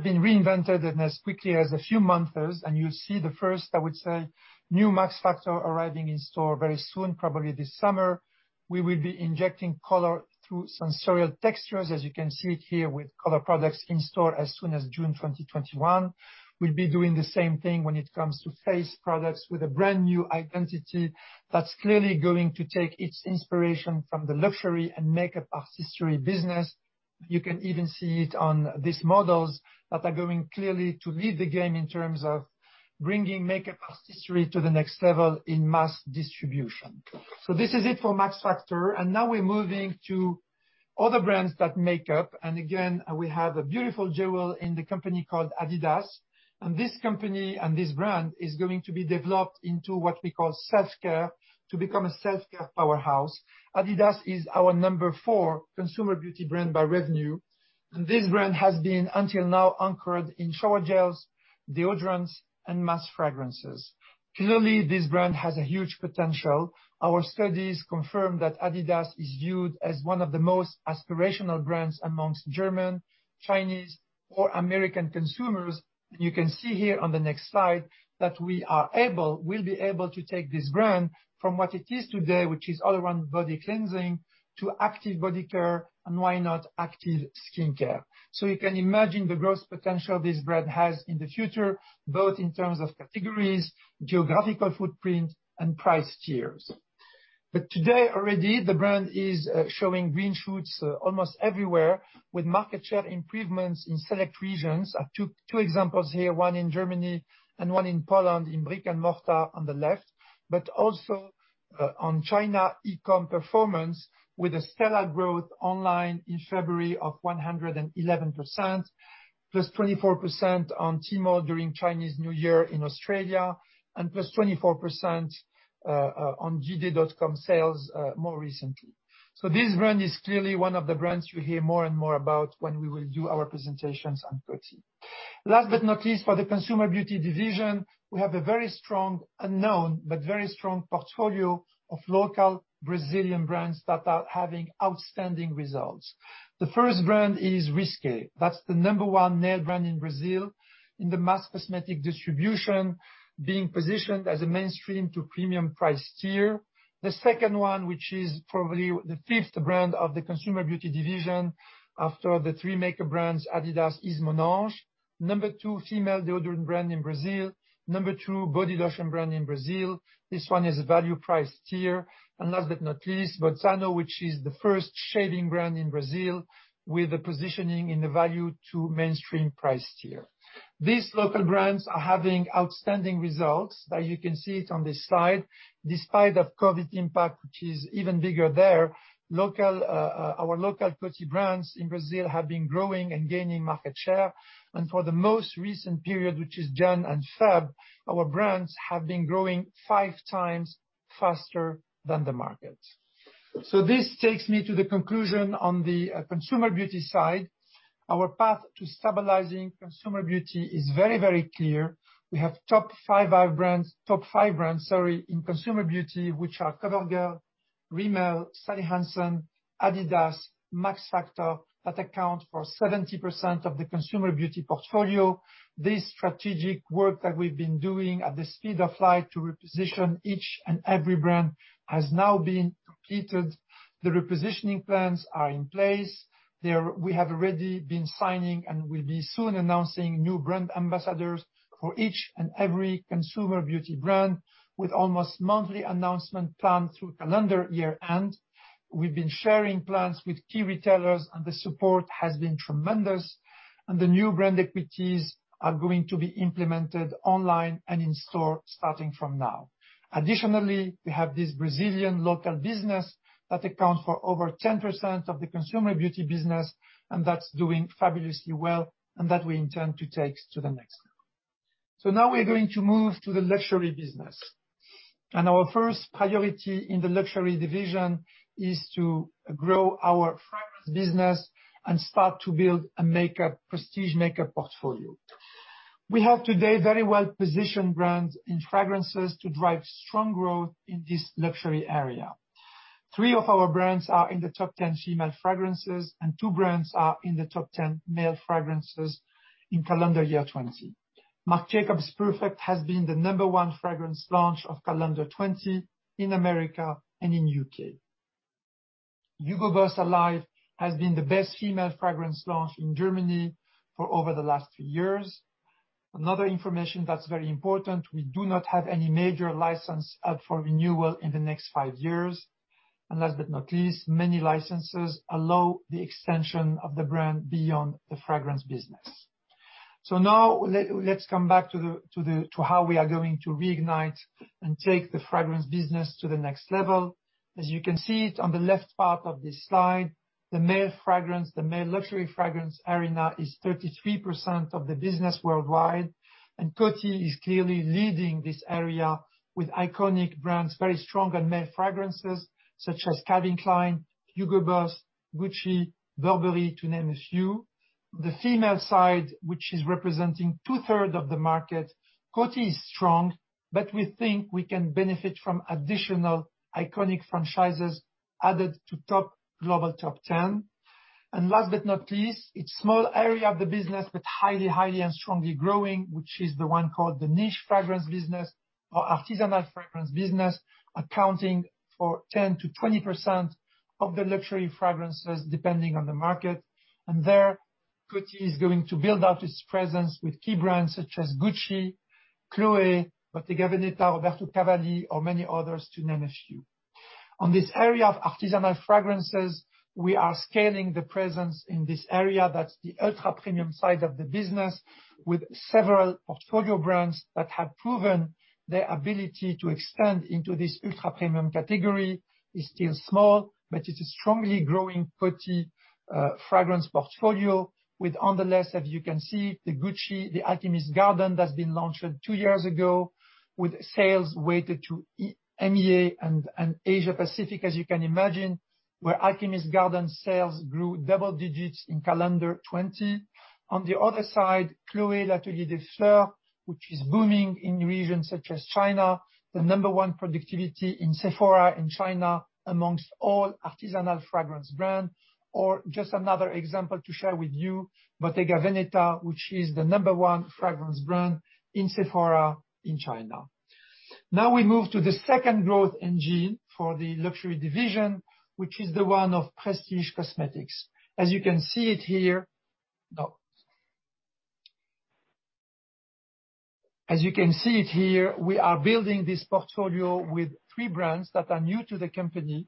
been reinvented in as quickly as a few months. You'll see the first, I would say, new Max Factor arriving in store very soon, probably this summer. We will be injecting color through sensorial textures, as you can see it here, with color products in store as soon as June 2021. We'll be doing the same thing when it comes to face products with a brand-new identity that's clearly going to take its inspiration from the luxury and makeup artistry business. You can even see it on these models that are going clearly to lead the game in terms of bringing makeup artistry to the next level in mass distribution. This is it for Max Factor. Now we're moving to other brands that make up. Again, we have a beautiful jewel in the company called Adidas. This company and this brand is going to be developed into what we call self-care, to become a self-care powerhouse. Adidas is our number four consumer beauty brand by revenue. This brand has been, until now, anchored in shower gels, deodorants, and mass fragrances. Clearly, this brand has a huge potential. Our studies confirm that Adidas is viewed as one of the most aspirational brands amongst German, Chinese, or American consumers. You can see here on the next slide that we'll be able to take this brand from what it is today, which is all around body cleansing, to active body care, and why not active skincare. You can imagine the growth potential this brand has in the future, both in terms of categories, geographical footprint, and price tiers. Today already, the brand is showing green shoots almost everywhere, with market share improvements in select regions. I have two examples here, one in Germany and one in Poland, in brick-and-mortar on the left. Also on China e-com performance with a stellar growth online in February of 111%, +24% on Tmall during Chinese New Year in Australia, and +24% on JD.com sales more recently. This brand is clearly one of the brands you hear more and more about when we will do our presentations on Coty. Last but not least, for the Consumer Beauty division, we have a very strong, unknown, but very strong portfolio of local Brazilian brands that are having outstanding results. The first brand is Risqué. That's the number one nail brand in Brazil in the mass cosmetic distribution, being positioned as a mainstream to premium price tier. The second one, which is probably the fifth brand of the Consumer Beauty division after the three makeup brands, Adidas, is Monange, number two female deodorant brand in Brazil, number two body lotion brand in Brazil. This one is a value price tier. Last but not least, Bozzano, which is the first shaving brand in Brazil, with a positioning in the value to mainstream price tier. These local brands are having outstanding results, as you can see it on this slide. Despite the COVID impact, which is even bigger there, our local Coty brands in Brazil have been growing and gaining market share. For the most recent period, which is January and February, our brands have been growing five times faster than the market. This takes me to the conclusion on the consumer beauty side. Our path to stabilizing consumer beauty is very clear. We have top five brands in consumer beauty, which are COVERGIRL, Rimmel, Sally Hansen, Adidas, Max Factor, that account for 70% of the consumer beauty portfolio. This strategic work that we've been doing at the speed of light to reposition each and every brand has now been completed. The repositioning plans are in place. We have already been signing and will be soon announcing new brand ambassadors for each and every consumer beauty brand, with almost monthly announcement plan through calendar year end. We've been sharing plans with key retailers, and the support has been tremendous, and the new brand equities are going to be implemented online and in-store starting from now. Additionally, we have this Brazilian local business that accounts for over 10% of the consumer beauty business, and that's doing fabulously well, and that we intend to take to the next level. Now we're going to move to the luxury business. Our first priority in the luxury division is to grow our fragrance business and start to build a prestige makeup portfolio. We have today very well-positioned brands in fragrances to drive strong growth in this luxury area. three of our brands are in the top 10 female fragrances, and two brands are in the top 10 male fragrances in calendar year 2020. Marc Jacobs Perfect has been the number one fragrance launch of calendar 2020 in America and in U.K. Hugo Boss Alive has been the best female fragrance launch in Germany for over the last three years. Another information that's very important, we do not have any major license up for renewal in the next five years. Last but not least, many licenses allow the extension of the brand beyond the fragrance business. Now let's come back to how we are going to reignite and take the fragrance business to the next level. As you can see it on the left part of this slide, the male luxury fragrance arena is 33% of the business worldwide, and Coty is clearly leading this area with iconic brands, very strong on male fragrances such as Calvin Klein, Hugo Boss, Gucci, Burberry, to name a few. The female side, which is representing two-thirds of the market, Coty is strong, but we think we can benefit from additional iconic franchises added to global top 10. Last but not least, it's small area of the business, but highly and strongly growing, which is the one called the niche fragrance business or artisanal fragrance business, accounting for 10%-20% of the luxury fragrances, depending on the market. There, Coty is going to build out its presence with key brands such as Gucci, Chloé, Bottega Veneta, Roberto Cavalli, or many others to name a few. On this area of artisanal fragrances, we are scaling the presence in this area, that's the ultra-premium side of the business, with several portfolio brands that have proven their ability to expand into this ultra-premium category. It's still small, but it is strongly growing Coty fragrance portfolio with, on the left, as you can see, the Gucci, The Alchemist's Garden that's been launched two years ago with sales weighted to EMEA and Asia-Pacific, as you can imagine, where The Alchemist's Garden sales grew double digits in calendar 2020. On the other side, Chloé Atelier des Fleurs, which is booming in regions such as China, the number one productivity in Sephora in China amongst all artisanal fragrance brand. Just another example to share with you, Bottega Veneta, which is the number one fragrance brand in Sephora in China. We move to the second growth engine for the luxury division, which is the one of prestige cosmetics. As you can see it here, we are building this portfolio with three brands that are new to the company,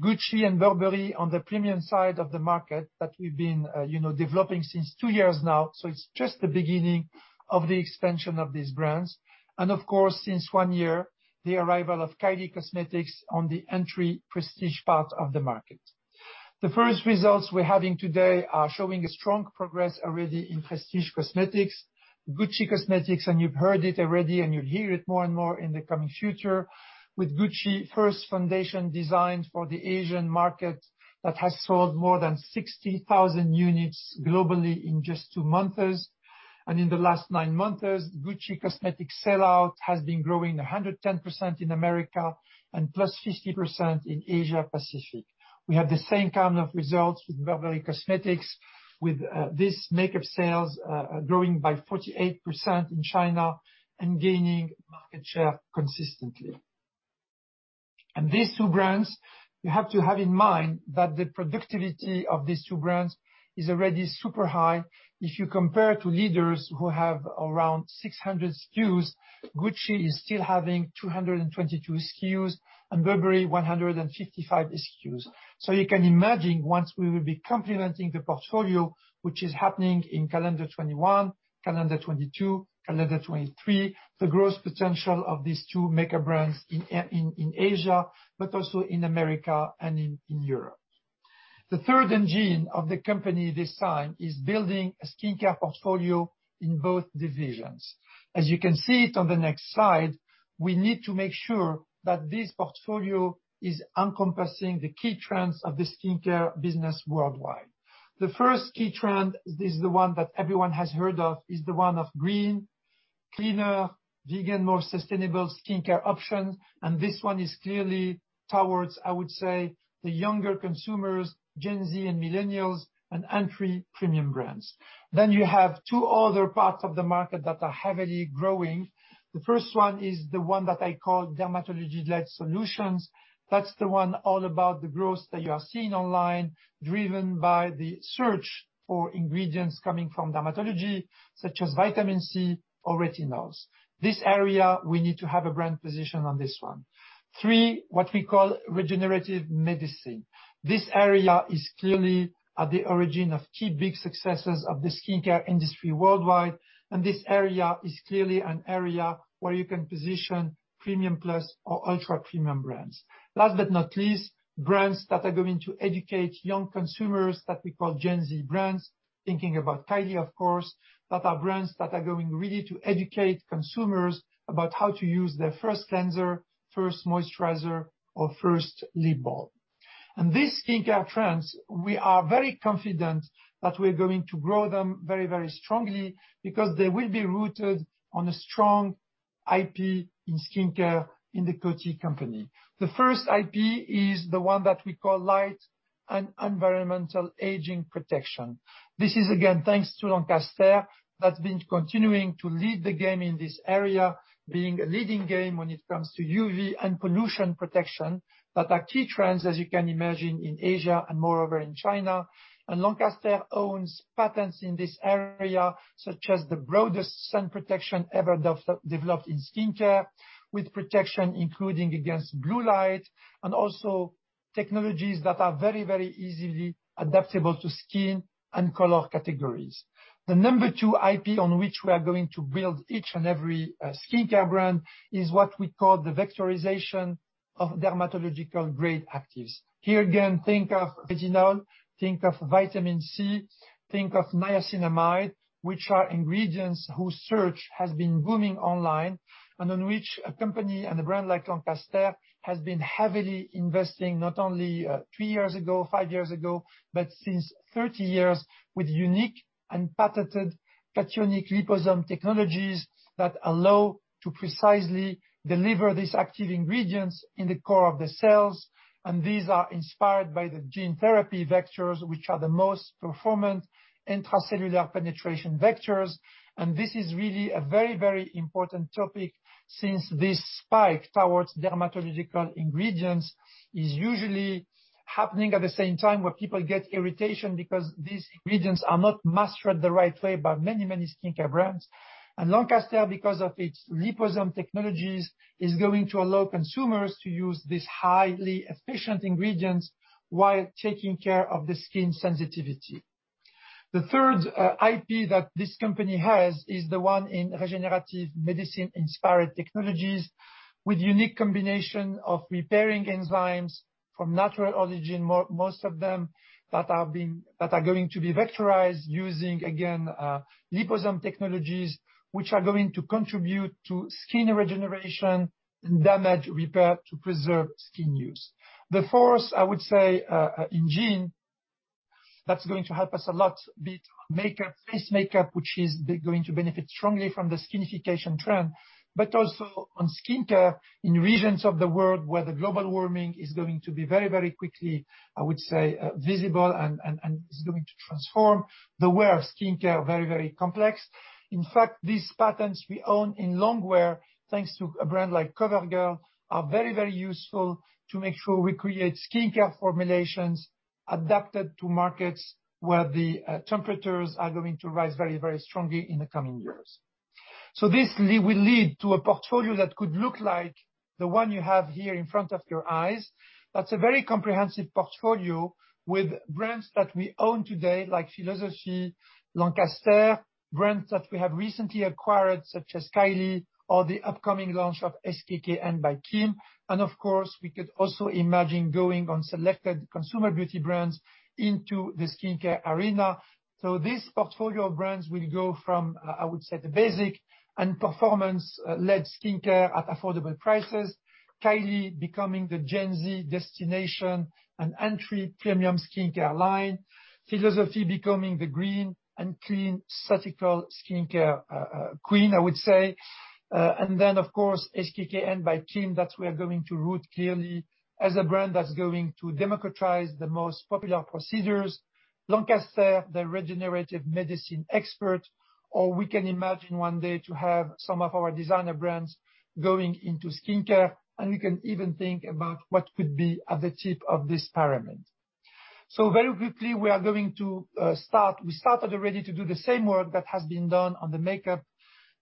Gucci and Burberry on the premium side of the market that we've been developing since two years now, so it's just the beginning of the expansion of these brands. Of course, since one year, the arrival of Kylie Cosmetics on the entry prestige part of the market. The first results we're having today are showing a strong progress already in prestige cosmetics. Gucci cosmetics, and you've heard it already, and you'll hear it more and more in the coming future, with Gucci first foundation designed for the Asian market that has sold more than 60,000 units globally in just two months. In the last nine months, Gucci Beauty sell-out has been growing 110% in America and +50% in Asia-Pacific. We have the same kind of results with Burberry, with this makeup sales growing by 48% in China and gaining market share consistently. These two brands, you have to have in mind that the productivity of these two brands is already super high. If you compare to leaders who have around 600 SKUs, Gucci is still having 222 SKUs and Burberry 155 SKUs. You can imagine once we will be complementing the portfolio, which is happening in calendar 2021, calendar 2022, calendar 2023, the growth potential of these two mega brands in Asia, but also in America and in Europe. The third engine of the company this time is building a skincare portfolio in both divisions. As you can see it on the next slide, we need to make sure that this portfolio is encompassing the key trends of the skincare business worldwide. The first key trend is the one that everyone has heard of, is the one of green, cleaner, vegan, more sustainable skincare options. This one is clearly towards, I would say, the younger consumers, Gen Z and millennials, and entry premium brands. You have two other parts of the market that are heavily growing. The first is the one that I call dermatology-led solutions. That's the one all about the growth that you are seeing online, driven by the search for ingredients coming from dermatology, such as vitamin C or retinols. This area, we need to have a brand position on this one. Three, what we call regenerative medicine. This area is clearly at the origin of key big successes of the skincare industry worldwide. This area is clearly an area where you can position premium plus or ultra-premium brands. Last but not least, brands that are going to educate young consumers that we call Gen Z brands, thinking about Kylie, of course, that are brands that are going really to educate consumers about how to use their first cleanser, first moisturizer, or first lip balm. These skincare trends, we are very confident that we're going to grow them very strongly because they will be rooted on a strong IP in skincare in the Coty company. The first IP is the one that we call light and environmental aging protection. This is, again, thanks to Lancaster, that's been continuing to lead the game in this area, being a leading game when it comes to UV and pollution protection, that are key trends, as you can imagine, in Asia and moreover in China. Lancaster owns patents in this area, such as the broadest sun protection ever developed in skincare, with protection including against blue light, and also technologies that are very, very easily adaptable to skin and color categories. The number two IP on which we are going to build each and every skincare brand is what we call the vectorization of dermatological-grade actives. Here again, think of retinol, think of vitamin C, think of niacinamide, which are ingredients whose search has been booming online, and on which a company and a brand like Lancaster has been heavily investing, not only three years ago, five years ago, but since 30 years, with unique and patented cationic liposome technologies that allow to precisely deliver these active ingredients in the core of the cells. These are inspired by the gene therapy vectors, which are the most performant intracellular penetration vectors. This is really a very important topic, since this spike towards dermatological ingredients is usually happening at the same time where people get irritation because these ingredients are not mastered the right way by many skincare brands. Lancaster, because of its liposome technologies, is going to allow consumers to use these highly efficient ingredients while taking care of the skin sensitivity. The third IP that this company has is the one in regenerative medicine-inspired technologies, with unique combination of repairing enzymes from natural origin, most of them, that are going to be vectorized using, again, liposome technologies, which are going to contribute to skin regeneration and damage repair to preserve skin use. The fourth, I would say, engine, that's going to help us a lot with face makeup, which is going to benefit strongly from the skinification trend, but also on skincare in regions of the world where the global warming is going to be very quickly, I would say, visible, and is going to transform the way of skincare very complex. In fact, these patents we own in longwear, thanks to a brand like COVERGIRL, are very useful to make sure we create skincare formulations adapted to markets where the temperatures are going to rise very strongly in the coming years. This will lead to a portfolio that could look like the one you have here in front of your eyes. That's a very comprehensive portfolio with brands that we own today, like Philosophy, Lancaster, brands that we have recently acquired, such as Kylie or the upcoming launch of SKKN BY KIM. Of course, we could also imagine going on selected consumer beauty brands into the skincare arena. This portfolio of brands will go from, I would say, the basic and performance-led skincare at affordable prices, Kylie becoming the Gen Z destination and entry premium skincare line, Philosophy becoming the green and clean aesthetical skincare queen, I would say. Of course, SKKN BY KIM, that we are going to root clearly as a brand that's going to democratize the most popular procedures, Lancaster, the regenerative medicine expert, or we can imagine one day to have some of our designer brands going into skincare, and we can even think about what could be at the tip of this pyramid. Very quickly, we are going to start. We started already to do the same work that has been done on the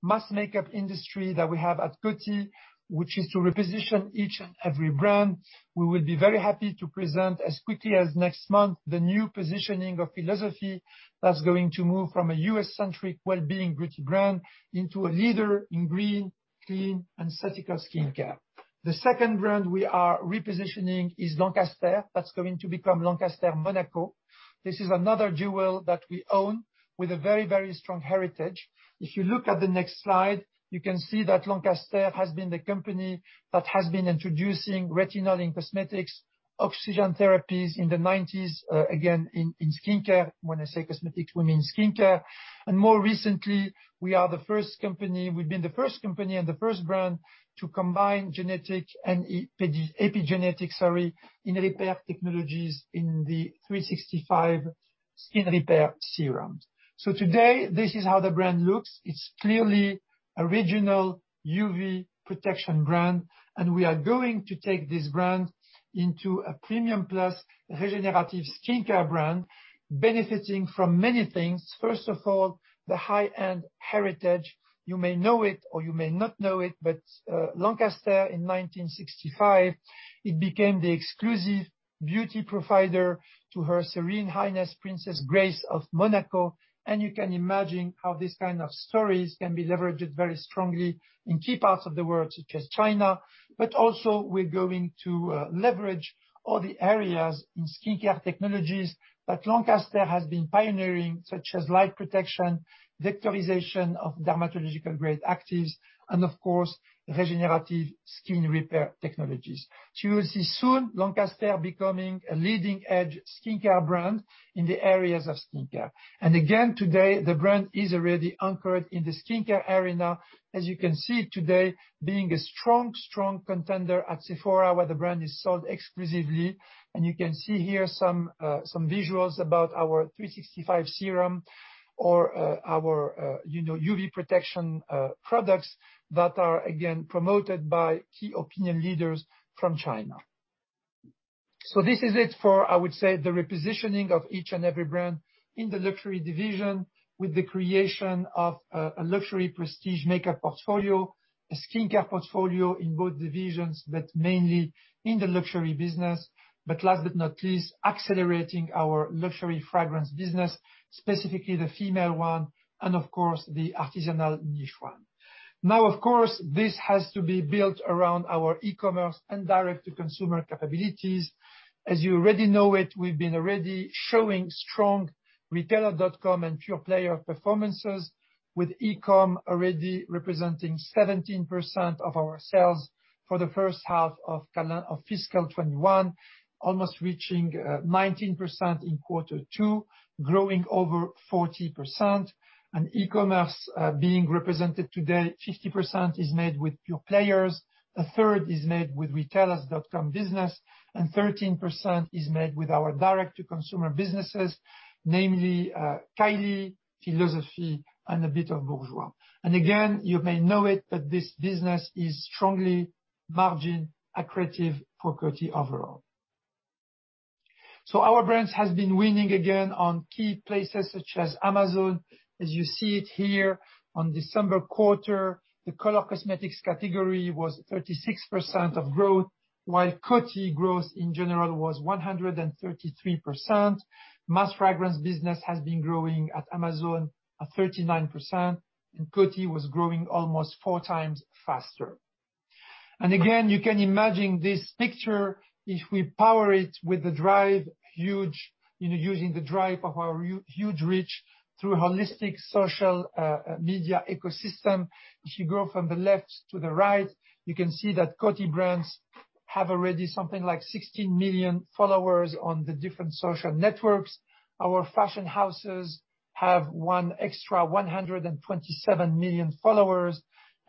mass makeup industry that we have at Coty, which is to reposition each and every brand. We will be very happy to present as quickly as next month, the new positioning of Philosophy that's going to move from a U.S.-centric wellbeing beauty brand into a leader in green, clean and aesthetical skincare. The second brand we are repositioning is Lancaster. That's going to become Lancaster Monaco. This is another jewel that we own with a very, very strong heritage. If you look at the next slide, you can see that Lancaster has been the company that has been introducing retinol in cosmetics, oxygen therapies in the 1990s, again, in skincare. When I say cosmetics, we mean skincare. More recently, we've been the first company and the first brand to combine genetic and epigenetic, sorry, in repair technologies in the 365 Skin Repair serums. Today, this is how the brand looks. It's clearly a regional UV protection brand, and we are going to take this brand into a premium plus regenerative skincare brand, benefiting from many things. First of all, the high-end heritage. You may know it or you may not know it, but Lancaster in 1965, it became the exclusive beauty provider to Her Serene Highness, Princess Grace of Monaco. You can imagine how these kind of stories can be leveraged very strongly in key parts of the world, such as China. Also we're going to leverage all the areas in skincare technologies that Lancaster has been pioneering, such as light protection, vectorization of dermatological-grade actives, and of course, regenerative skin repair technologies. You will see soon, Lancaster becoming a leading edge skincare brand in the areas of skincare. Again, today, the brand is already anchored in the skincare arena, as you can see today, being a strong contender at Sephora, where the brand is sold exclusively. You can see here some visuals about our 365 serum or our UV protection products that are, again, promoted by key opinion leaders from China. This is it for, I would say, the repositioning of each and every brand in the luxury division with the creation of a luxury prestige makeup portfolio, a skincare portfolio in both divisions, but mainly in the luxury business. Last but not least, accelerating our luxury fragrance business, specifically the female one, and of course, the artisanal niche one. Of course, this has to be built around our e-commerce and direct-to-consumer capabilities. As you already know it, we've been already showing strong retailer.com and pure player performances, with e-com already representing 17% of our sales for the first half of fiscal 2021, almost reaching 19% in quarter two, growing over 40%. E-commerce being represented today, 50% is made with pure players, a third is made with retailers.com business, and 13% is made with our direct-to-consumer businesses, namely Kylie, Philosophy, and a bit of Bourjois. Again, you may know it, this business is strongly margin accretive for Coty overall. Our brands has been winning again on key places such as Amazon. As you see it here, on December quarter, the color cosmetics category was 36% of growth, while Coty growth in general was 133%. Mass fragrance business has been growing at Amazon at 39%, and Coty was growing almost four times faster. Again, you can imagine this picture, if we power it using the drive of our huge reach through a holistic social media ecosystem. If you go from the left to the right, you can see that Coty brands have already something like 16 million followers on the different social networks. Our fashion houses have won extra 127 million followers.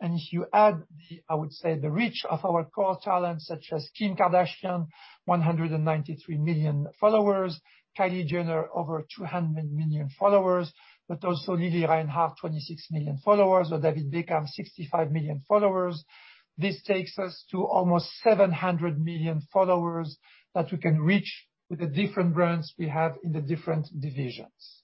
If you add the, I would say, the reach of our core talents such as Kim Kardashian, 193 million followers, Kylie Jenner, over 200 million followers, but also Lili Reinhart, 26 million followers, or David Beckham, 65 million followers. This takes us to almost 700 million followers that we can reach with the different brands we have in the different divisions.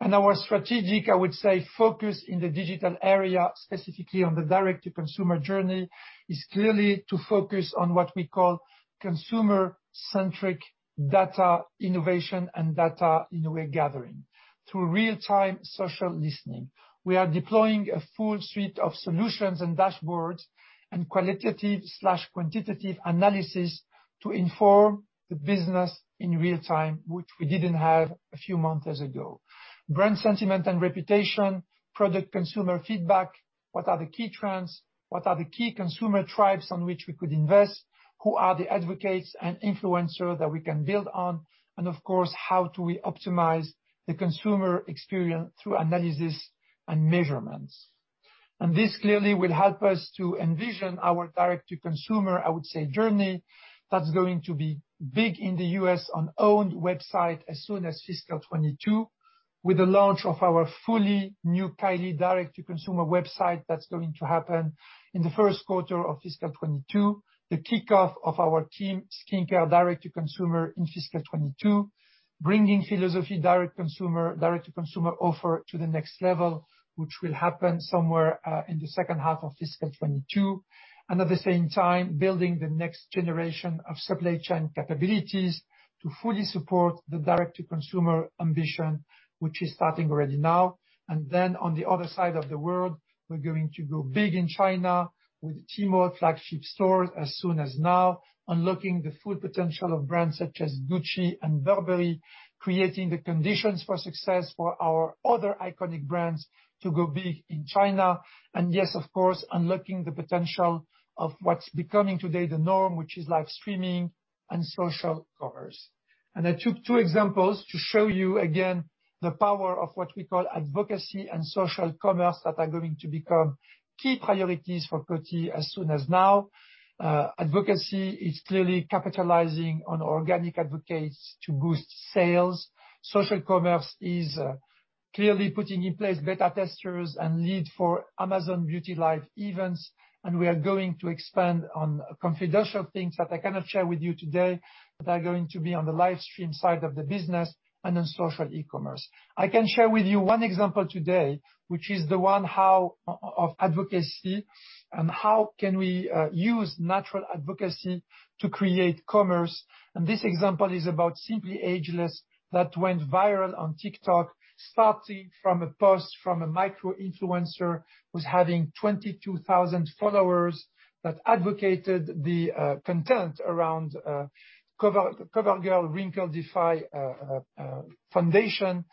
Our strategic, I would say, focus in the digital area, specifically on the direct-to-consumer journey, is clearly to focus on what we call consumer-centric data innovation and data in a way, gathering. Through real-time social listening, we are deploying a full suite of solutions and dashboards and qualitative/quantitative analysis to inform the business in real time, which we didn't have a few months ago. Brand sentiment and reputation, product consumer feedback, what are the key trends? What are the key consumer tribes on which we could invest? Who are the advocates and influencer that we can build on? Of course, how do we optimize the consumer experience through analysis and measurements? This clearly will help us to envision our direct-to-consumer, I would say, journey that's going to be big in the U.S. on owned website as soon as fiscal 2022, with the launch of our fully new Kylie direct-to-consumer website. That's going to happen in the first quarter of fiscal 2022. The kickoff of our Kylie Skin direct-to-consumer in fiscal 2022, bringing Philosophy direct-to-consumer offer to the next level, which will happen somewhere in the second half of fiscal 2022. At the same time, building the next generation of supply chain capabilities to fully support the direct-to-consumer ambition, which is starting already now. Then on the other side of the world, we're going to go big in China with Tmall flagship stores as soon as now, unlocking the full potential of brands such as Gucci and Burberry, creating the conditions for success for our other iconic brands to go big in China. Yes, of course, unlocking the potential of what's becoming today the norm, which is live streaming and social commerce. I took two examples to show you again the power of what we call advocacy and social commerce that are going to become key priorities for Coty as soon as now. Advocacy is clearly capitalizing on organic advocates to boost sales. Social commerce is clearly putting in place beta testers and lead for Amazon Beauty Live events, and we are going to expand on confidential things that I cannot share with you today, that are going to be on the live stream side of the business and on social e-commerce. I can share with you one example today, which is the one of advocacy and how can we use natural advocacy to create commerce. This example is about Simply Ageless that went viral on TikTok, starting from a post from a micro-influencer who's having 22,000 followers that advocated the content around COVERGIRL Simply Ageless Instant Wrinkle Defying foundation.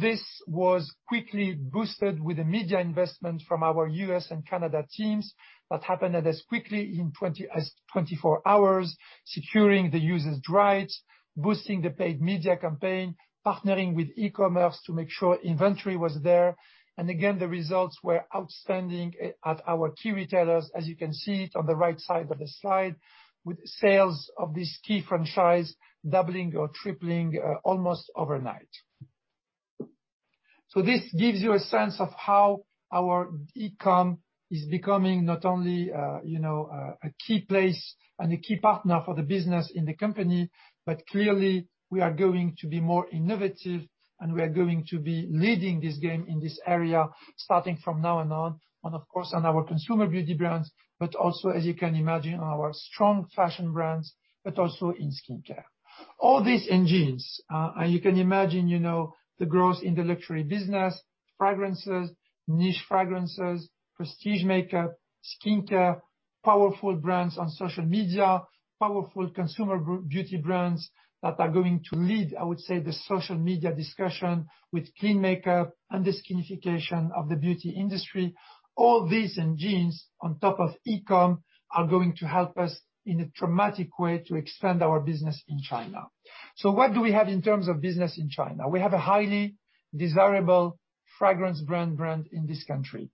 This was quickly boosted with a media investment from our U.S. and Canada teams that happened as quickly in 24 hours, securing the user's rights, boosting the paid media campaign, partnering with e-commerce to make sure inventory was there. Again, the results were outstanding at our key retailers, as you can see it on the right side of the slide, with sales of this key franchise doubling or tripling almost overnight. This gives you a sense of how our e-com is becoming not only a key place and a key partner for the business in the company, but clearly we are going to be more innovative and we are going to be leading this game in this area, starting from now and on, of course, on our Consumer Beauty brands, but also, as you can imagine, on our strong fashion brands, but also in skincare. All these engines, you can imagine the growth in the luxury business, fragrances, niche fragrances, prestige makeup, skincare, powerful brands on social media, powerful consumer beauty brands that are going to lead, I would say, the social media discussion with clean makeup and the skinification of the beauty industry. All these engines on top of e-com are going to help us in a dramatic way to expand our business in China. What do we have in terms of business in China? We have a highly desirable fragrance brand in this country.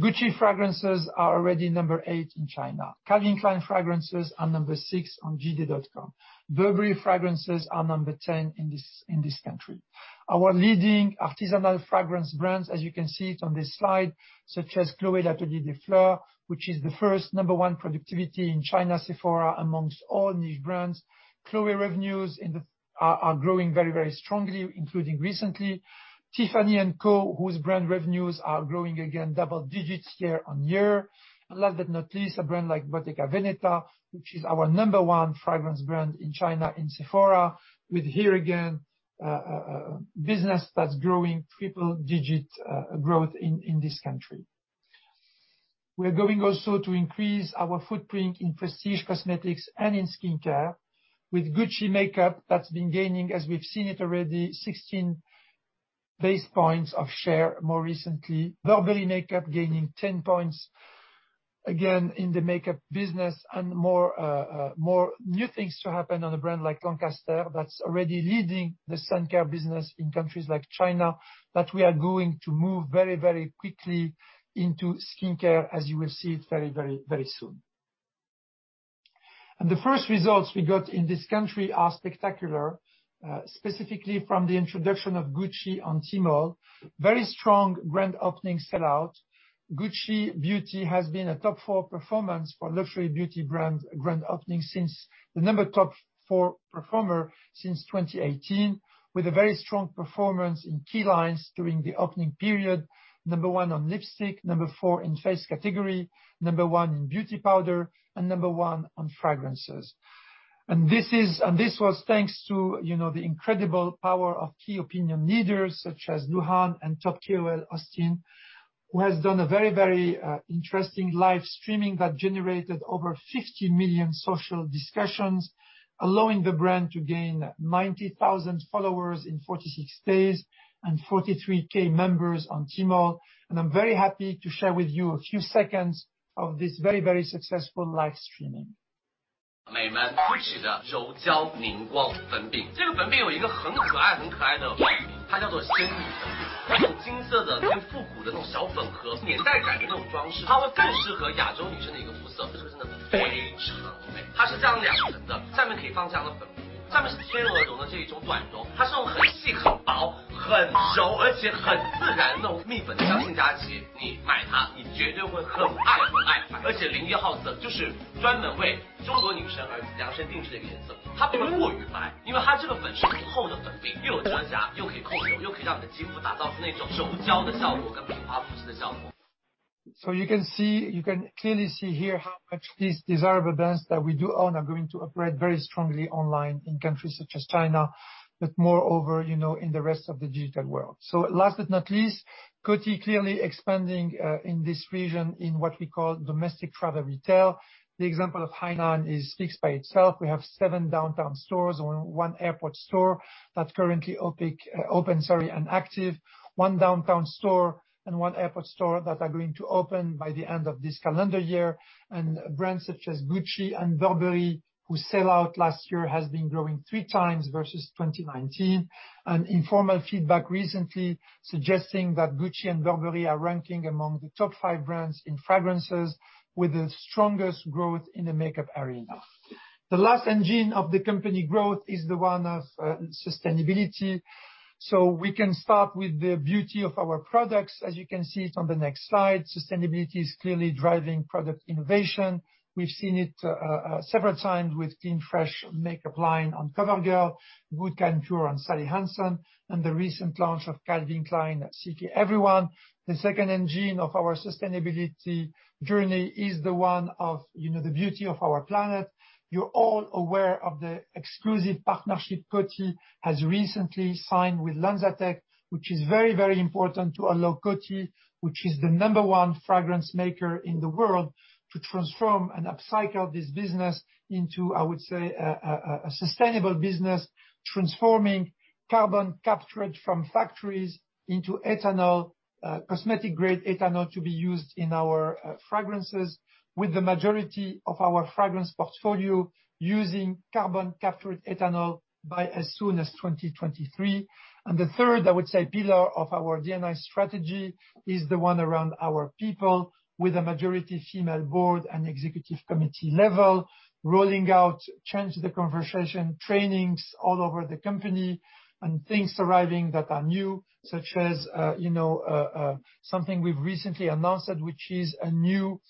Gucci fragrances are already number eight in China. Calvin Klein fragrances are number six on JD.com. Burberry fragrances are number 10 in this country. Our leading artisanal fragrance brands, as you can see it on this slide, such as Chloé Atelier des Fleurs, which is the first number one productivity in China, Sephora, amongst all niche brands. Chloé revenues are growing very strongly, including recently Tiffany & Co., whose brand revenues are growing again double digits year on year. Last but not least, a brand like Bottega Veneta, which is our number one fragrance brand in China in Sephora, with here again, business that's growing triple digit growth in this country. We're going also to increase our footprint in prestige cosmetics and in skincare with Gucci makeup that's been gaining, as we've seen it already, 16 basis points of share more recently. Burberry makeup gaining 10 points, again, in the makeup business and more new things to happen on a brand like Lancaster that's already leading the sun care business in countries like China, that we are going to move very quickly into skincare, as you will see it very soon. The first results we got in this country are spectacular, specifically from the introduction of Gucci on Tmall. Very strong grand opening sellout. Gucci Beauty has been a top four performer since 2018, with a very strong performance in key lines during the opening period, number one on lipstick, number four in face category, number one in beauty powder, and number one on fragrances. This was thanks to the incredible power of key opinion leaders such as Lu Han and TopKOL Austin, who has done a very interesting live streaming that generated over 50 million social discussions, allowing the brand to gain 90,000 followers in 46 days and 43K members on Tmall. I'm very happy to share with you a few seconds of this very successful live streaming. You can clearly see here how much these desirable brands that we do own are going to operate very strongly online in countries such as China, but moreover, in the rest of the digital world. Last but not least, Coty clearly expanding, in this region, in what we call domestic travel retail. The example of Hainan speaks by itself. We have seven downtown stores and one airport store that's currently open and active, one downtown store and one airport store that are going to open by the end of this calendar year. Brands such as Gucci and Burberry, whose sellout last year has been growing three times versus 2019. Informal feedback recently suggesting that Gucci and Burberry are ranking among the top five brands in fragrances with the strongest growth in the makeup arena. The last engine of the company growth is the one of sustainability. We can start with the beauty of our products. As you can see it on the next slide, sustainability is clearly driving product innovation. We've seen it several times with Clean Fresh makeup line on COVERGIRL, Good Kind Pure on Sally Hansen, and the recent launch of Calvin Klein CK Everyone. The second engine of our sustainability journey is the one of the beauty of our planet. You're all aware of the exclusive partnership Coty has recently signed with LanzaTech, which is very important to allow Coty, which is the number one fragrance maker in the world, to transform and upcycle this business into, I would say, a sustainable business, transforming carbon captured from factories into ethanol, cosmetic-grade ethanol to be used in our fragrances with the majority of our fragrance portfolio using carbon captured ethanol by as soon as 2023. The third, I would say, pillar of our D&I strategy is the one around our people, with a majority female board and executive committee level, rolling out Change the Conversation trainings all over the company, and things arriving that are new, such as something we've recently announced, which is a new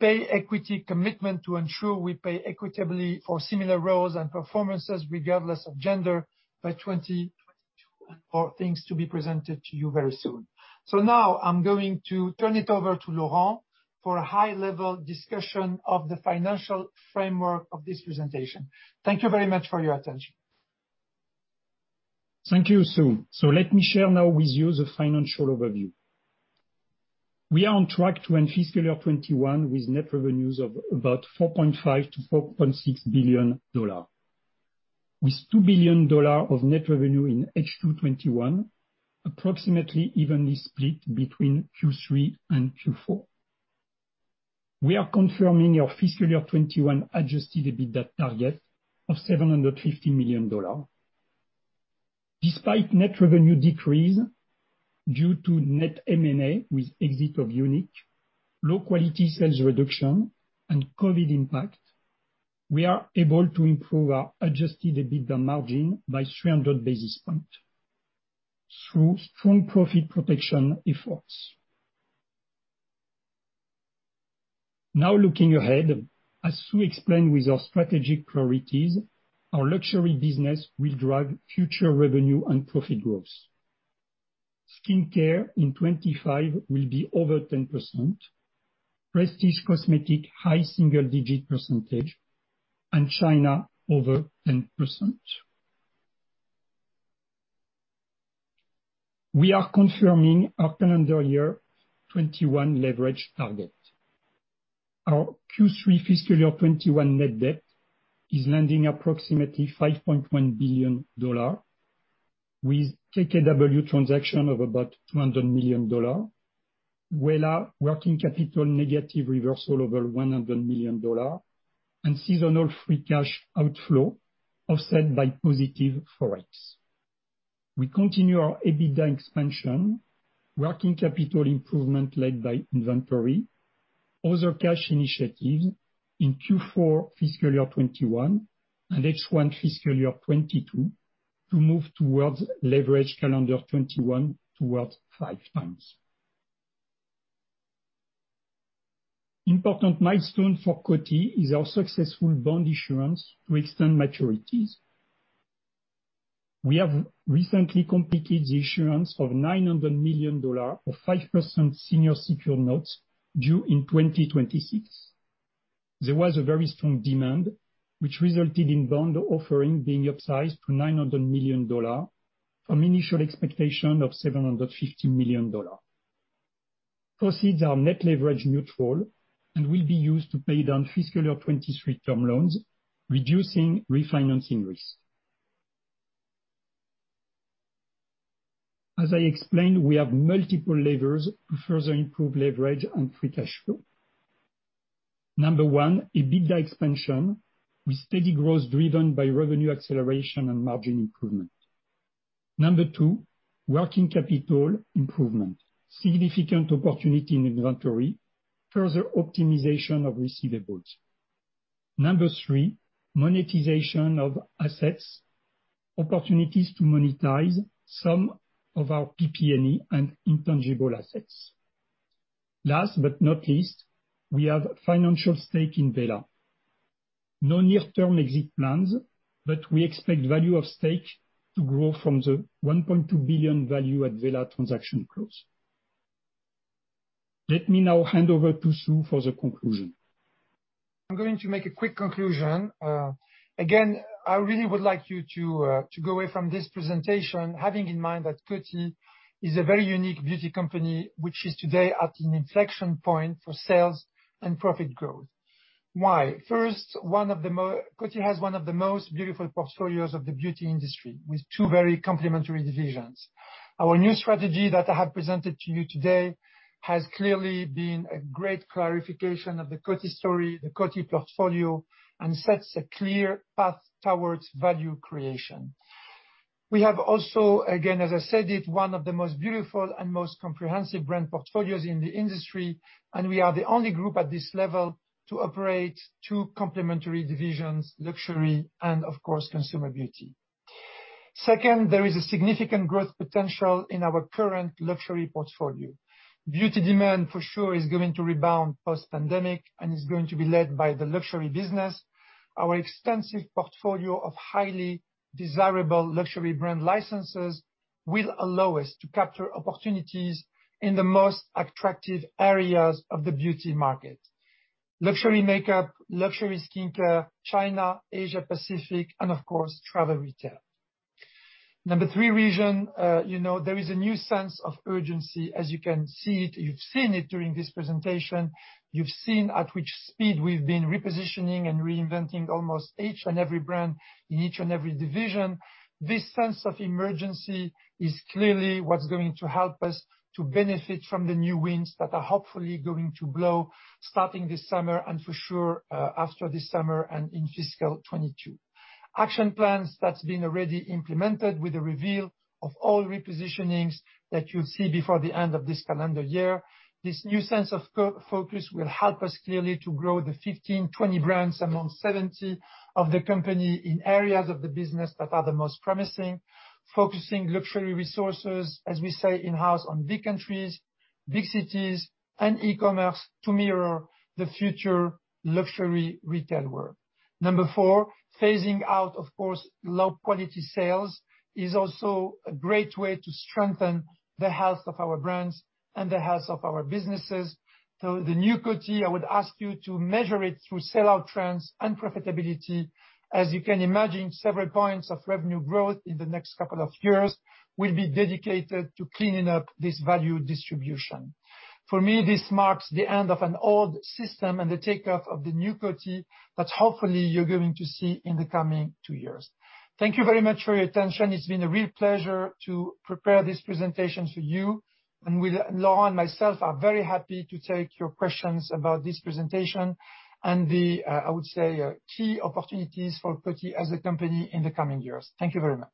pay equity commitment to ensure we pay equitably for similar roles and performances regardless of gender by 2022, and more things to be presented to you very soon. Now I'm going to turn it over to Laurent for a high-level discussion of the financial framework of this presentation. Thank you very much for your attention. Thank you, Sue. Let me share now with you the financial overview. We are on track to end fiscal year 2021 with net revenues of about $4.5 billion-$4.6 billion, with $2 billion of net revenue in H2 2021, approximately evenly split between Q3 and Q4. We are confirming our fiscal year 2021 adjusted EBITDA target of $750 million. Despite net revenue decrease due to net M&A with exit of Younique, low quality sales reduction, and COVID impact, we are able to improve our adjusted EBITDA margin by 300 basis points through strong profit protection efforts. Looking ahead, as Sue explained with our strategic priorities, our luxury business will drive future revenue and profit growth. Skincare in 2025 will be over 10%, prestige cosmetic high single-digit percentage, and China over 10%. We are confirming our calendar year 2021 leverage target. Our Q3 fiscal year 2021 net debt is landing approximately $5.1 billion, with KKW transaction of about $200 million, Wella working capital negative reversal over $100 million, and seasonal free cash outflow offset by positive Forex. We continue our EBITDA expansion, working capital improvement led by inventory, other cash initiatives in Q4 fiscal year 2021, and H1 fiscal year 2022, to move towards leverage calendar 2021 towards five times. Important milestone for Coty is our successful bond issuance to extend maturities. We have recently completed the issuance of $900 million of 5% senior secured notes due in 2026. There was a very strong demand, which resulted in bond offering being upsized to $900 million from initial expectation of $750 million. Proceeds are net leverage neutral and will be used to pay down fiscal year 2023 term loans, reducing refinancing risk. As I explained, we have multiple levers to further improve leverage and free cash flow. Number one, EBITDA expansion with steady growth driven by revenue acceleration and margin improvement. Number two, working capital improvement, significant opportunity in inventory, further optimization of receivables. Number three, monetization of assets, opportunities to monetize some of our PP&E and intangible assets. Last but not least, we have financial stake in Wella. No near-term exit plans. We expect value of stake to grow from the $1.2 billion value at Wella transaction close. Let me now hand over to Sue for the conclusion. I'm going to make a quick conclusion. I really would like you to go away from this presentation having in mind that Coty is a very unique beauty company, which is today at an inflection point for sales and profit growth. Why? First, Coty has one of the most beautiful portfolios of the beauty industry, with two very complementary divisions. Our new strategy that I have presented to you today has clearly been a great clarification of the Coty story, the Coty portfolio, and sets a clear path towards value creation. We have also, again, as I said it, one of the most beautiful and most comprehensive brand portfolios in the industry, and we are the only group at this level to operate two complementary divisions, Luxury and, of course, Consumer Beauty. Second, there is a significant growth potential in our current Luxury portfolio. Beauty demand for sure is going to rebound post-pandemic, and is going to be led by the luxury business. Our extensive portfolio of highly desirable luxury brand licenses will allow us to capture opportunities in the most attractive areas of the beauty market. Luxury makeup, luxury skincare, China, Asia Pacific, and of course, travel retail. Number three reason, there is a new sense of urgency, as you can see it, you've seen it during this presentation. You've seen at which speed we've been repositioning and reinventing almost each and every brand, in each and every division. This sense of emergency is clearly what's going to help us to benefit from the new winds that are hopefully going to blow starting this summer, and for sure, after this summer and in fiscal 2022. Action plans that's been already implemented with the reveal of all repositionings that you'll see before the end of this calendar year. This new sense of focus will help us clearly to grow the 15, 20 brands among 70 of the company in areas of the business that are the most promising. Focusing luxury resources, as we say in-house, on big countries, big cities, and e-commerce to mirror the future luxury retail world. Number four, phasing out, of course, low-quality sales is also a great way to strengthen the health of our brands and the health of our businesses. The new Coty, I would ask you to measure it through sell-out trends and profitability. As you can imagine, several points of revenue growth in the next couple of years will be dedicated to cleaning up this value distribution. For me, this marks the end of an old system and the takeoff of the new Coty that hopefully you're going to see in the coming two years. Thank you very much for your attention. It's been a real pleasure to prepare this presentation for you. Laurent and myself are very happy to take your questions about this presentation and the, I would say, key opportunities for Coty as a company in the coming years. Thank you very much.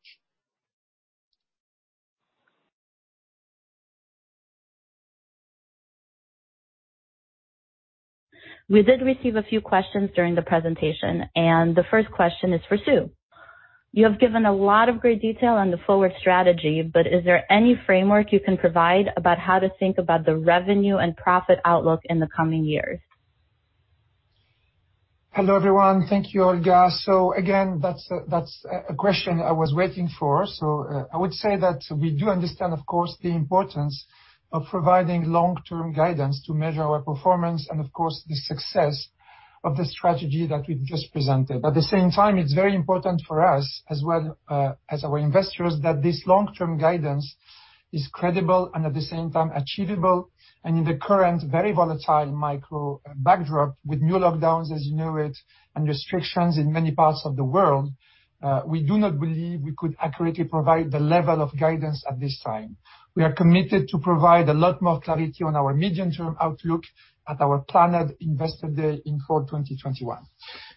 We did receive a few questions during the presentation, and the first question is for Sue. You have given a lot of great detail on the forward strategy, but is there any framework you can provide about how to think about the revenue and profit outlook in the coming years? Hello, everyone. Thank you, Olga. Again, that's a question I was waiting for. I would say that we do understand, of course, the importance of providing long-term guidance to measure our performance and of course, the success of the strategy that we've just presented. At the same time, it's very important for us, as well as our investors, that this long-term guidance is credible and at the same time achievable. In the current, very volatile micro backdrop with new lockdowns, as you know it, and restrictions in many parts of the world, we do not believe we could accurately provide the level of guidance at this time. We are committed to provide a lot more clarity on our medium-term outlook at our planned Investor Day in fall 2021.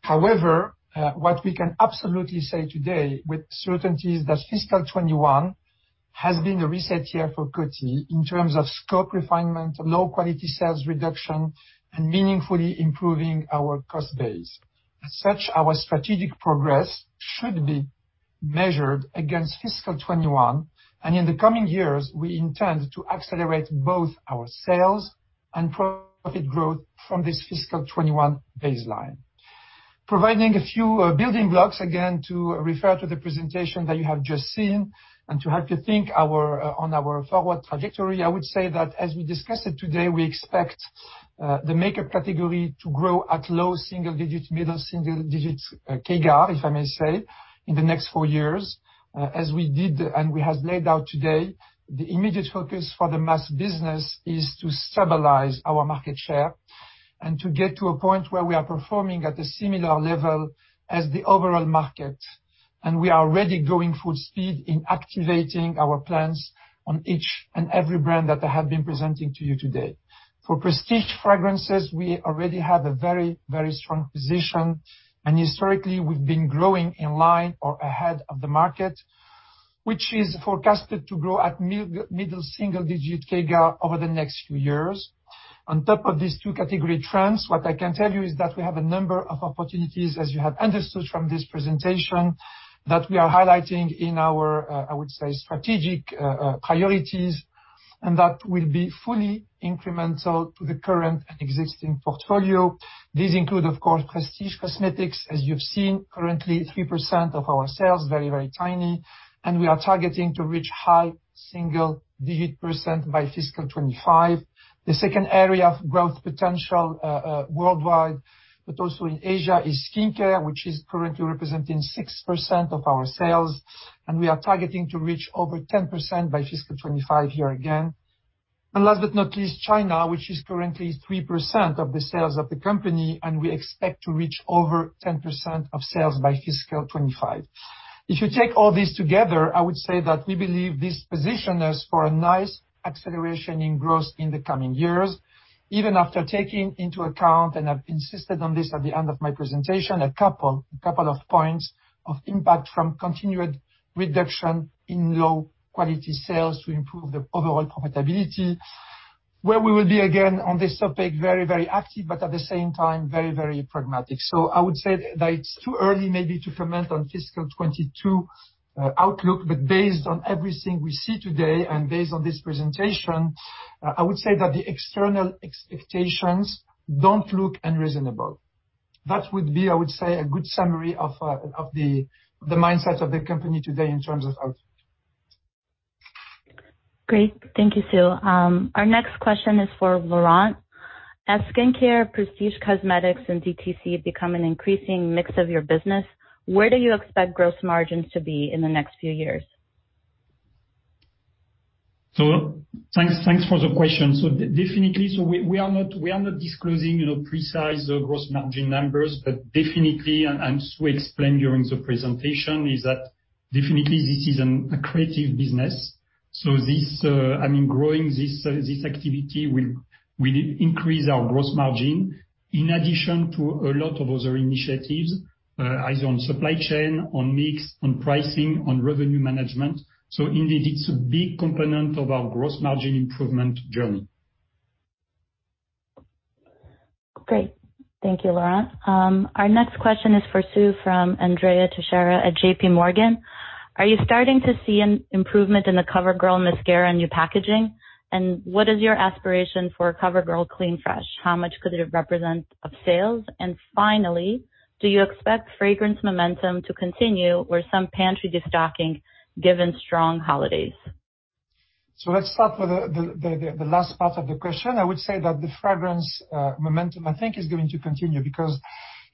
However, what we can absolutely say today with certainty is that fiscal 2021 has been a reset year for Coty in terms of scope refinement, low-quality sales reduction, and meaningfully improving our cost base. As such, our strategic progress should be measured against fiscal 2021, and in the coming years, we intend to accelerate both our sales and profit growth from this fiscal 2021 baseline. Providing a few building blocks, again, to refer to the presentation that you have just seen and to help you think on our forward trajectory, I would say that as we discussed it today, we expect the makeup category to grow at low single digits, middle single digits, CAGR, if I may say, in the next four years. As we did and we have laid out today, the immediate focus for the mass business is to stabilize our market share and to get to a point where we are performing at a similar level as the overall market. We are already going full speed in activating our plans on each and every brand that I have been presenting to you today. For prestige fragrances, we already have a very strong position, and historically we've been growing in line or ahead of the market, which is forecasted to grow at middle single digit CAGR over the next few years. On top of these two category trends, what I can tell you is that we have a number of opportunities, as you have understood from this presentation, that we are highlighting in our, I would say, strategic priorities, and that will be fully incremental to the current and existing portfolio. These include, of course, prestige cosmetics. As you've seen, currently 3% of our sales, very tiny. We are targeting to reach high single-digit % by FY 2025. The second area of growth potential worldwide, but also in Asia, is skincare, which is currently representing 6% of our sales. We are targeting to reach over 10% by FY 2025 here again. Last but not least, China, which is currently 3% of the sales of the company, and we expect to reach over 10% of sales by FY 2025. If you take all this together, I would say that we believe this positions us for a nice acceleration in growth in the coming years, even after taking into account, and I've insisted on this at the end of my presentation, a couple of points of impact from continued reduction in low-quality sales to improve the overall profitability, where we will be, again, on this topic, very active, but at the same time very pragmatic. I would say that it's too early maybe to comment on FY 2022 outlook, but based on everything we see today and based on this presentation, I would say that the external expectations don't look unreasonable. That would be, I would say, a good summary of the mindset of the company today in terms of outlook. Great. Thank you, Sue. Our next question is for Laurent. As skincare, prestige cosmetics, and DTC become an increasing mix of your business, where do you expect gross margins to be in the next few years? Thanks for the question. Definitely, we are not disclosing precise gross margin numbers, but definitely, and as we explained during the presentation, is that definitely this is a creative business. This, growing this activity will increase our gross margin in addition to a lot of other initiatives, either on supply chain, on mix, on pricing, on revenue management. Indeed, it's a big component of our gross margin improvement journey. Great. Thank you, Laurent. Our next question is for Sue from Andrea Teixeira at JPMorgan. Are you starting to see an improvement in the COVERGIRL mascara and new packaging? What is your aspiration for COVERGIRL Clean Fresh? How much could it represent of sales? Finally, do you expect fragrance momentum to continue or some pantry destocking given strong holidays? Let's start with the last part of the question. I would say that the fragrance momentum, I think, is going to continue because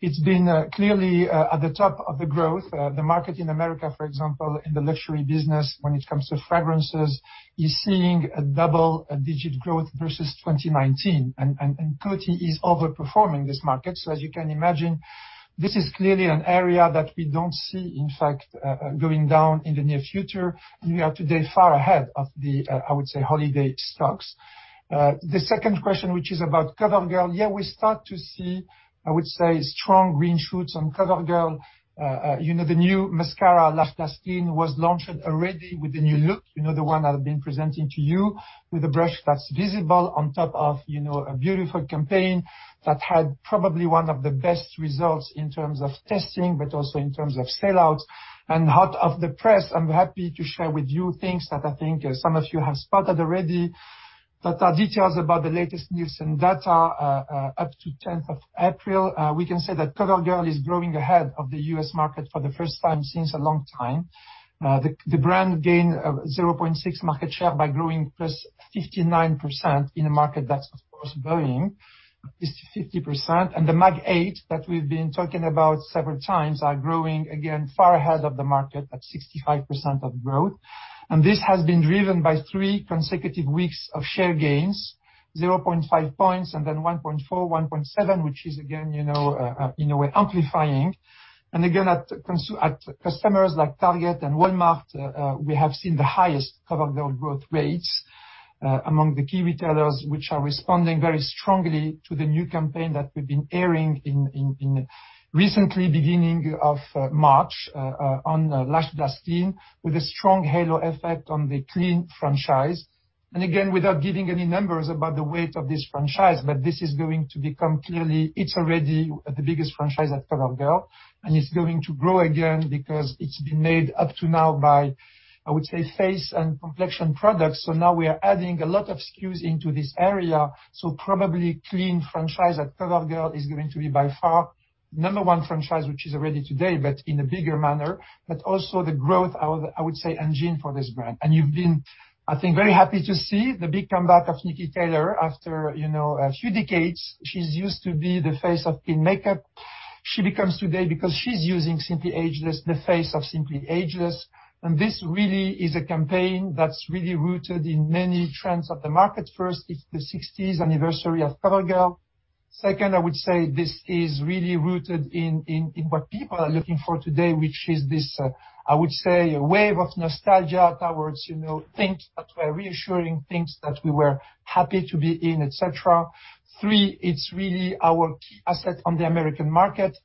it's been clearly at the top of the growth. The market in America, for example, in the luxury business when it comes to fragrances, is seeing a double-digit growth versus 2019, and Coty is overperforming this market. As you can imagine, this is clearly an area that we don't see, in fact, going down in the near future. We are today far ahead of the, I would say, holiday stocks. The second question, which is about COVERGIRL. Yeah, we start to see, I would say, strong green shoots on COVERGIRL. The new mascara, Lash Blast Clean, was launched already with the new look, the one that I've been presenting to you, with a brush that's visible on top of a beautiful campaign that had probably one of the best results in terms of testing, but also in terms of sell-outs. Hot off the press, I'm happy to share with you things that I think some of you have spotted already that are details about the latest news and data up to 10th of April. We can say that COVERGIRL is growing ahead of the U.S. market for the first time since a long time. The brand gained a 0.6 market share by growing plus 59% in a market that's, of course, growing 50%. The MAG 8 that we've been talking about several times are growing again far ahead of the market at 65% of growth. This has been driven by three consecutive weeks of share gains, 0.5 points and then 1.4, 1.7, which is again, in a way amplifying. At customers like Target and Walmart, we have seen the highest COVERGIRL growth rates among the key retailers, which are responding very strongly to the new campaign that we've been airing in recently beginning of March on Lash Blast Clean with a strong halo effect on the Clean franchise. Without giving any numbers about the weight of this franchise, this is going to become clearly, it's already the biggest franchise at COVERGIRL, and it's going to grow again because it's been made up to now by, I would say, face and complexion products. Now we are adding a lot of SKUs into this area. Probably Clean franchise at COVERGIRL is going to be by far number one franchise, which is already today, but in a bigger manner, but also the growth, I would say, engine for this brand. You've been, I think, very happy to see the big comeback of Niki Taylor after a few decades. She's used to be the face of clean makeup. She becomes today because she's using Simply Ageless, the face of Simply Ageless. This really is a campaign that's really rooted in many trends of the market. First, it's the 60th anniversary of COVERGIRL. Second, I would say this is really rooted in what people are looking for today, which is this, I would say, a wave of nostalgia towards things that were reassuring, things that we were happy to be in, et cetera. Three, it's really our key asset on the American market.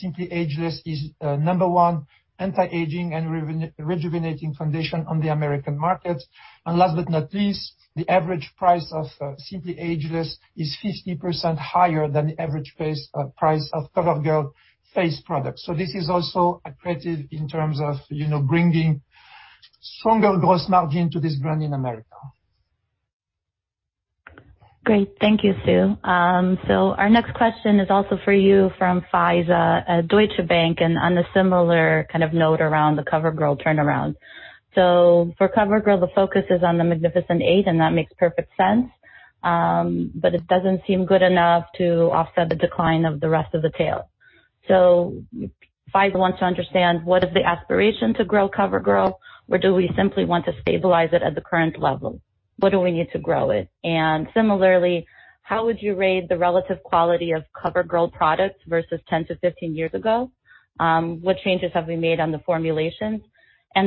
Simply Ageless is number one anti-aging and rejuvenating foundation on the American market. Last but not least, the average price of Simply Ageless is 50% higher than the average price of COVERGIRL face products. This is also accretive in terms of bringing stronger gross margin to this brand in America. Great. Thank you, Sue. Our next question is also for you from Faiza at Deutsche Bank, and on a similar note around the COVERGIRL turnaround. For COVERGIRL, the focus is on the Magnificent Eight, and that makes perfect sense. It doesn't seem good enough to offset the decline of the rest of the tail. Faiza wants to understand what is the aspiration to grow COVERGIRL, or do we simply want to stabilize it at the current level? What do we need to grow it? Similarly, how would you rate the relative quality of COVERGIRL products versus 10-15 years ago? What changes have we made on the formulations?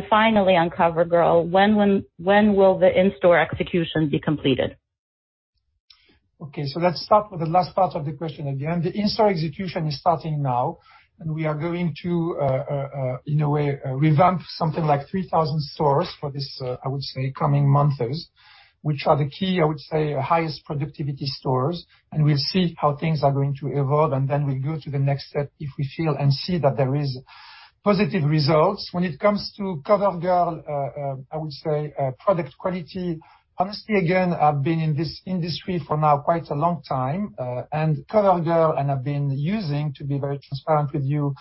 Finally, on COVERGIRL, when will the in-store execution be completed? Let's start with the last part of the question again. The in-store execution is starting now, and we are going to, in a way, revamp something like 3,000 stores for this, I would say, coming months, which are the key, I would say, highest productivity stores. We'll see how things are going to evolve, and then we'll go to the next step if we feel and see that there is positive results. When it comes to COVERGIRL, I would say, product quality. Honestly, again, I've been in this industry for now quite a long time, and COVERGIRL, and I've been using, to be very transparent with you,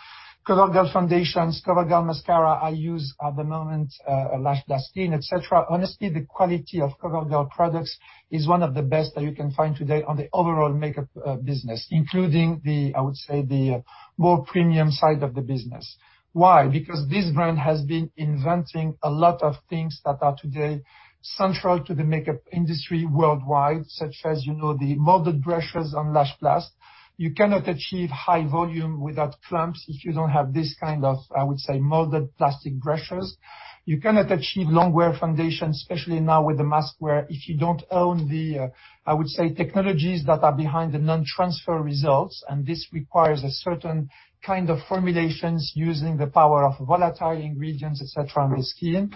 COVERGIRL foundations, COVERGIRL mascara, I use at the moment, Lash Blast Clean, et cetera. Honestly, the quality of COVERGIRL products is one of the best that you can find today on the overall makeup business, including the, I would say, the more premium side of the business. Why? Because this brand has been inventing a lot of things that are today central to the makeup industry worldwide, such as the molded brushes on Lash Blast. You cannot achieve high volume without clumps if you don't have this kind of, I would say, molded plastic brushes. You cannot achieve long-wear foundations, especially now with the mask wear, if you don't own the, I would say, technologies that are behind the non-transfer results, and this requires a certain kind of formulations using the power of volatile ingredients, et cetera, in the skin.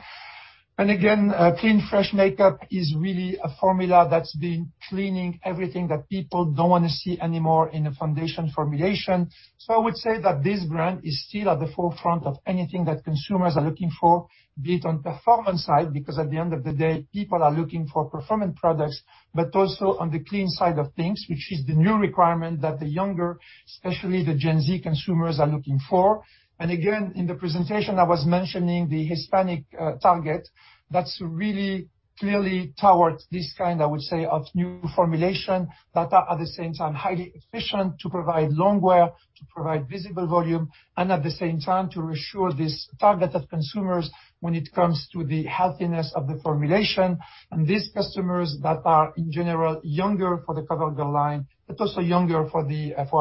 Again, Clean Fresh Makeup is really a formula that's been cleaning everything that people don't want to see anymore in a foundation formulation. I would say that this brand is still at the forefront of anything that consumers are looking for, be it on performance side, because at the end of the day, people are looking for performance products, but also on the clean side of things, which is the new requirement that the younger, especially the Gen Z consumers, are looking for. Again, in the presentation, I was mentioning the Hispanic target. That's really clearly towards this kind, I would say, of new formulation that are, at the same time, highly efficient to provide long wear, to provide visible volume, and at the same time, to reassure this target of consumers when it comes to the healthiness of the formulation. These customers that are, in general, younger for the COVERGIRL line, but also younger for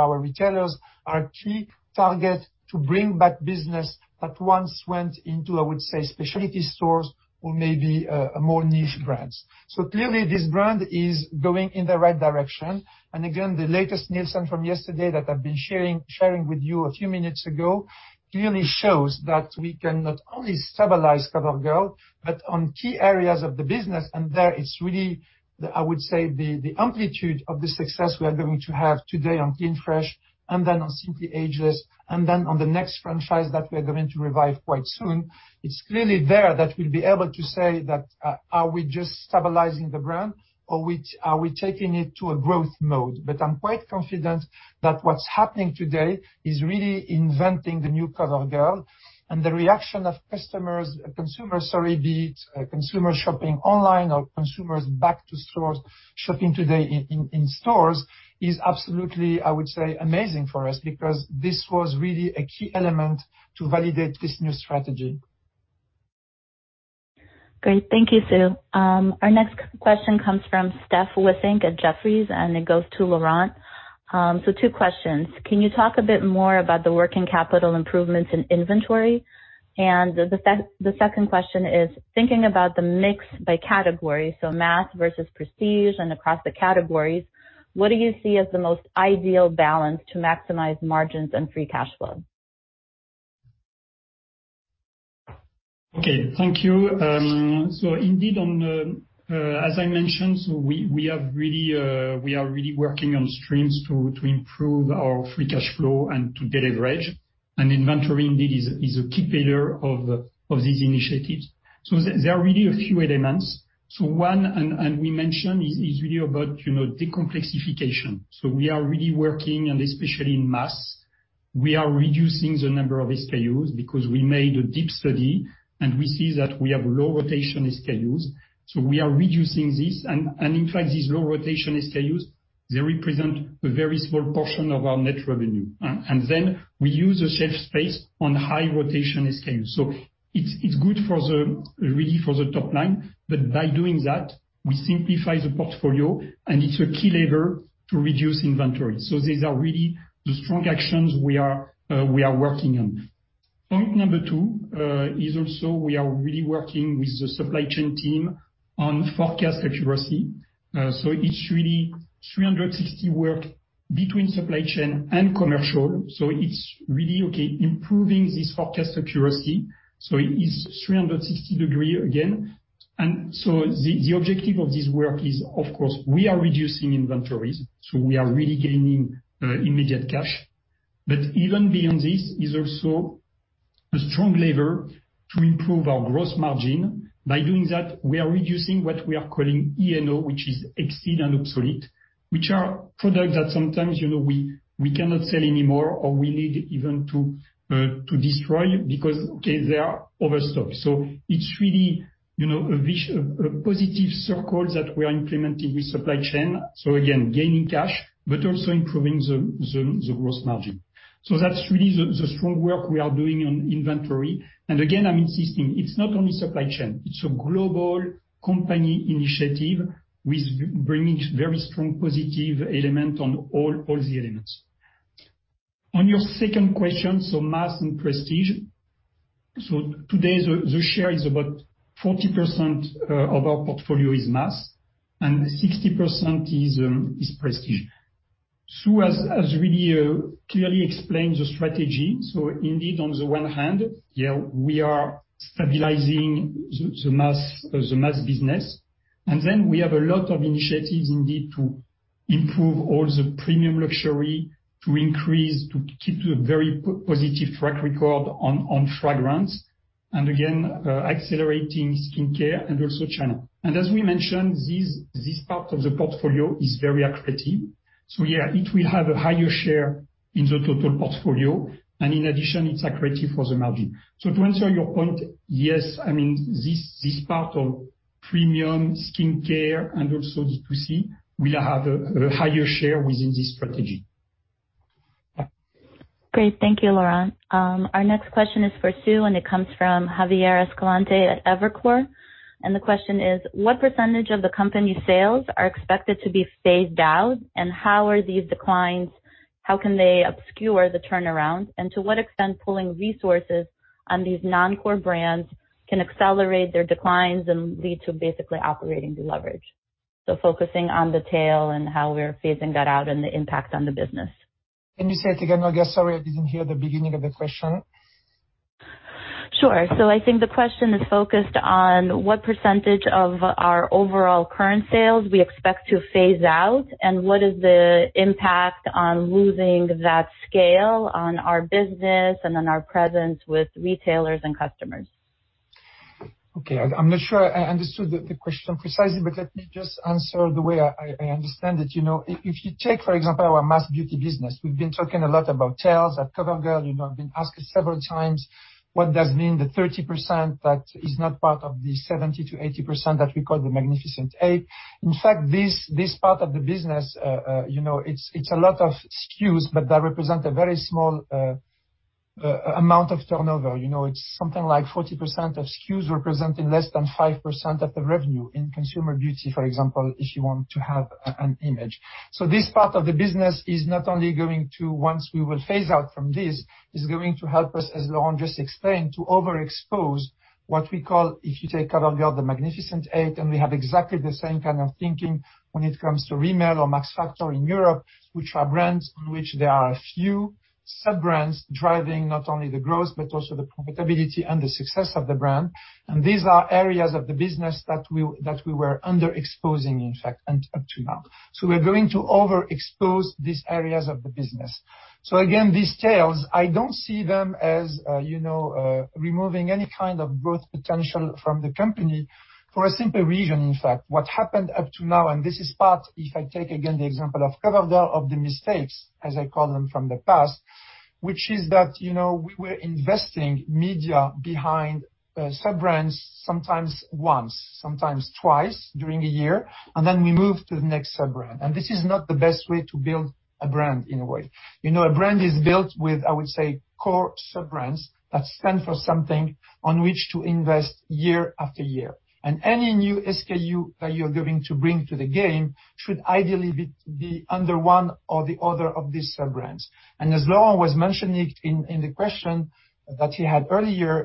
our retailers, are a key target to bring back business that once went into, I would say, specialty stores or maybe more niche brands. Clearly, this brand is going in the right direction. Again, the latest Nielsen from yesterday that I've been sharing with you a few minutes ago clearly shows that we can not only stabilize COVERGIRL, but on key areas of the business. There it's really, I would say, the amplitude of the success we are going to have today on Clean Fresh and then on Simply Ageless, and then on the next franchise that we are going to revive quite soon. It's clearly there that we'll be able to say that are we just stabilizing the brand or are we taking it to a growth mode? I'm quite confident that what's happening today is really inventing the new COVERGIRL. The reaction of customers, consumer, sorry, be it consumer shopping online or consumers back to stores, shopping today in stores is absolutely, I would say, amazing for us because this was really a key element to validate this new strategy. Great. Thank you, Sue. Our next question comes from Stephanie Wissink at Jefferies, and it goes to Laurent Mercier. Two questions. Can you talk a bit more about the working capital improvements in inventory? The second question is thinking about the mix by category, so mass versus prestige and across the categories, what do you see as the most ideal balance to maximize margins and free cash flow? Okay. Thank you. Indeed, as I mentioned, we are really working on streams to improve our free cash flow and to deleverage. Inventory indeed is a key pillar of these initiatives. There are really a few elements. One, and we mentioned, is really about de-complexification. We are really working, and especially in mass, we are reducing the number of SKUs because we made a deep study, and we see that we have low rotation SKUs. We are reducing this. In fact, these low rotation SKUs, they represent a very small portion of our net revenue. Then we use the shelf space on high rotation SKUs. It's good, really, for the top line. By doing that, we simplify the portfolio, and it's a key lever to reduce inventory. These are really the strong actions we are working on. Point number two is also we are really working with the supply chain team on forecast accuracy. It's really 360 work between supply chain and commercial. It's really improving this forecast accuracy. It is 360 degree again. The objective of this work is, of course, we are reducing inventories, so we are really gaining immediate cash. Even beyond this is also a strong lever to improve our gross margin. By doing that, we are reducing what we are calling E&O, which is Excess and Obsolete, which are products that sometimes we cannot sell anymore or we need even to destroy because they are overstocked. It's really a positive circle that we are implementing with supply chain. Again, gaining cash, but also improving the gross margin. That's really the strong work we are doing on inventory. Again, I'm insisting, it's not only supply chain. It's a global company initiative with bringing very strong positive element on all the elements. On your second question, mass and prestige. Today, the share is about 40% of our portfolio is mass, and 60% is prestige. Sue has really clearly explained the strategy. Indeed, on the one hand, yeah, we are stabilizing the mass business, we have a lot of initiatives indeed to improve all the premium luxury to increase, to keep the very positive track record on fragrance, again, accelerating skincare and also China. As we mentioned, this part of the portfolio is very accretive. Yeah, it will have a higher share in the total portfolio. In addition, it's accretive for the margin. To answer your point, yes, this part of premium skincare and also the PC will have a higher share within this strategy. Great. Thank you, Laurent. Our next question is for Sue, and it comes from Javier Escalante at Evercore. The question is, what percentage of the company's sales are expected to be phased out? How are these declines, how can they obscure the turnaround? To what extent pulling resources on these non-core brands can accelerate their declines and lead to basically operating deleverage? Focusing on the tail and how we're phasing that out and the impact on the business. Can you say it again, Olga? Sorry, I didn't hear the beginning of the question. Sure. I think the question is focused on what % of our overall current sales we expect to phase out, and what is the impact on losing that scale on our business and on our presence with retailers and customers? Okay. I'm not sure I understood the question precisely, but let me just answer the way I understand it. If you take, for example, our mass beauty business, we've been talking a lot about tails at COVERGIRL. I've been asked several times what does it mean, the 30% that is not part of the 70%-80% that we call the Magnificent Eight. In fact, this part of the business, it's a lot of SKUs, but they represent a very small amount of turnover. It's something like 40% of SKUs representing less than 5% of the revenue in consumer beauty, for example, if you want to have an image. This part of the business is not only going to, once we will phase out from this, is going to help us, as Laurent just explained, to overexpose what we call, if you take COVERGIRL, the Magnificent Eight, and we have exactly the same kind of thinking when it comes to Rimmel or Max Factor in Europe, which are brands on which there are a few sub-brands driving not only the growth but also the profitability and the success of the brand. These are areas of the business that we were underexposing, in fact, up to now. We're going to overexpose these areas of the business. Again, these tails, I don't see them as removing any kind of growth potential from the company for a simple reason, in fact. What happened up to now, and this is part, if I take again the example of COVERGIRL, of the mistakes, as I call them, from the past, which is that we were investing media behind sub-brands sometimes once, sometimes twice during a year, then we move to the next sub-brand. This is not the best way to build a brand, in a way. A brand is built with, I would say, core sub-brands that stand for something on which to invest year after year. Any new SKU that you're going to bring to the game should ideally be under one or the other of these sub-brands. As Laurent was mentioning in the question that he had earlier,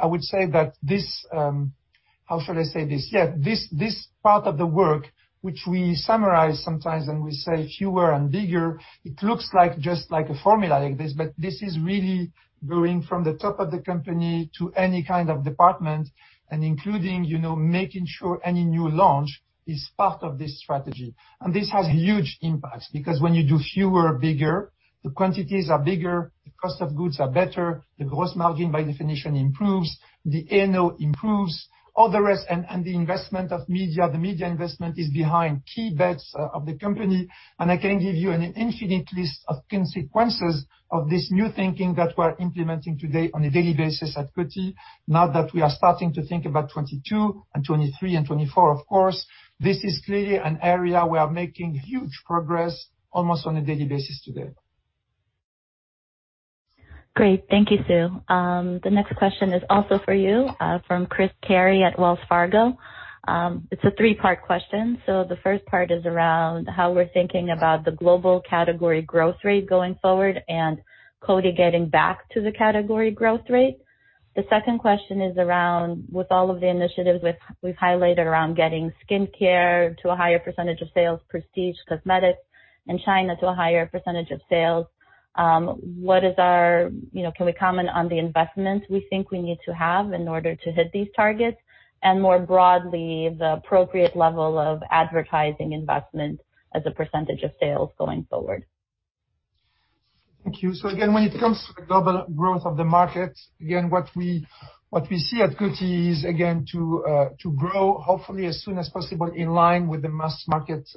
I would say that this, how should I say this? Yeah. This part of the work, which we summarize sometimes and we say fewer and bigger, it looks like just like a formula like this, but this is really going from the top of the company to any kind of department and including making sure any new launch is part of this strategy. This has huge impacts because when you do fewer, bigger, the quantities are bigger, the cost of goods are better, the gross margin by definition improves, the NO improves, all the rest, the investment of media, the media investment is behind key bets of the company. I can give you an infinite list of consequences of this new thinking that we're implementing today on a daily basis at Coty. Now that we are starting to think about 2022 and 2023 and 2024, of course, this is clearly an area we are making huge progress almost on a daily basis today. Great. Thank you, Sue. The next question is also for you, from Christopher Carey at Wells Fargo. It's a three-part question. The first part is around how we're thinking about the global category growth rate going forward and Coty getting back to the category growth rate. The second question is around, with all of the initiatives we've highlighted around getting skin care to a higher % of sales, prestige cosmetics, and China to a higher % of sales, can we comment on the investments we think we need to have in order to hit these targets? More broadly, the appropriate level of advertising investment as a % of sales going forward. Thank you. Again, when it comes to the global growth of the market, again, what we see at Coty is, again, to grow hopefully as soon as possible in line with the mass market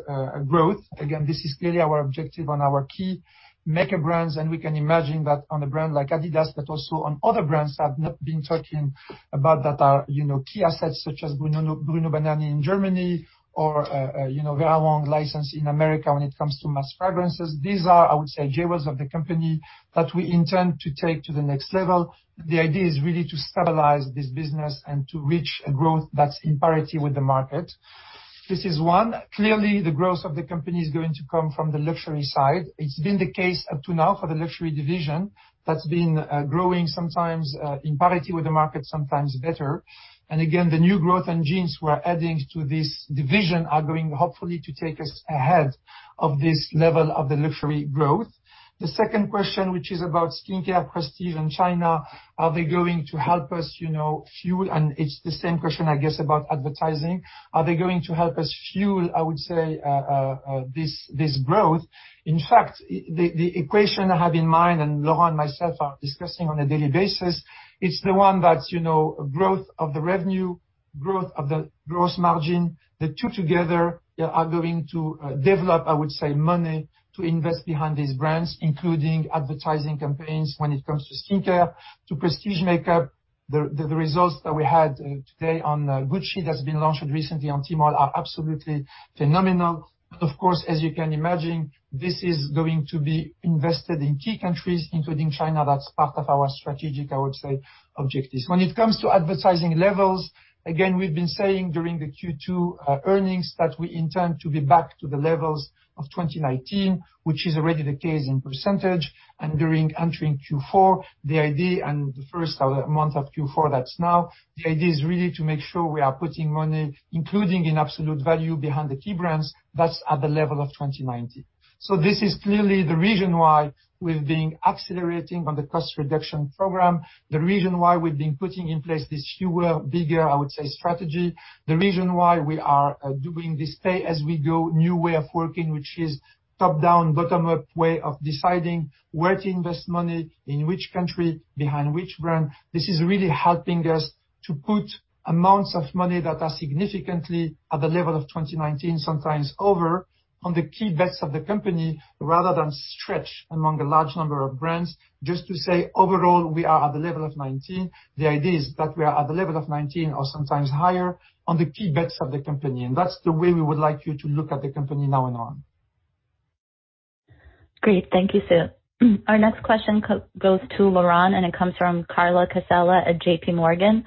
growth. This is clearly our objective on our key maker brands, and we can imagine that on a brand like Adidas, but also on other brands I've not been talking about that are key assets such as Bruno Banani in Germany or Vera Wang license in the U.S. when it comes to mass fragrances. These are, I would say, jewels of the company that we intend to take to the next level. The idea is really to stabilize this business and to reach a growth that's in parity with the market. This is one. Clearly, the growth of the company is going to come from the luxury side. It's been the case up to now for the luxury division that's been growing sometimes in parity with the market, sometimes better. Again, the new growth engines we're adding to this division are going, hopefully, to take us ahead of this level of the luxury growth. The second question, which is about skin care, prestige, and China, are they going to help us fuel, and it's the same question, I guess, about advertising? Are they going to help us fuel, I would say, this growth? In fact, the equation I have in mind, and Laurent and myself are discussing on a daily basis, it's the one that growth of the revenue, growth of the gross margin, the two together are going to develop, I would say, money to invest behind these brands, including advertising campaigns when it comes to skin care, to prestige makeup. The results that we had today on Gucci that's been launched recently on Tmall are absolutely phenomenal. Of course, as you can imagine, this is going to be invested in key countries, including China. That's part of our strategic, I would say, objectives. When it comes to advertising levels, again, we've been saying during the Q2 earnings that we intend to be back to the levels of 2019, which is already the case in %. During entering Q4, the idea and the first month of Q4, that's now, the idea is really to make sure we are putting money, including in absolute value behind the key brands, that's at the level of 2019. This is clearly the reason why we've been accelerating on the cost reduction program, the reason why we've been putting in place this fewer, bigger, I would say, strategy, the reason why we are doing this pay-as-we-go new way of working, which is top-down, bottom-up way of deciding where to invest money, in which country, behind which brand. This is really helping us. To put amounts of money that are significantly at the level of 2019, sometimes over, on the key bets of the company, rather than stretch among a large number of brands. Just to say, overall, we are at the level of 2019. The idea is that we are at the level of 2019 or sometimes higher on the key bets of the company, and that's the way we would like you to look at the company now and on. Great. Thank you, Sue. Our next question goes to Laurent Mercier. It comes from Carla Casella at JPMorgan.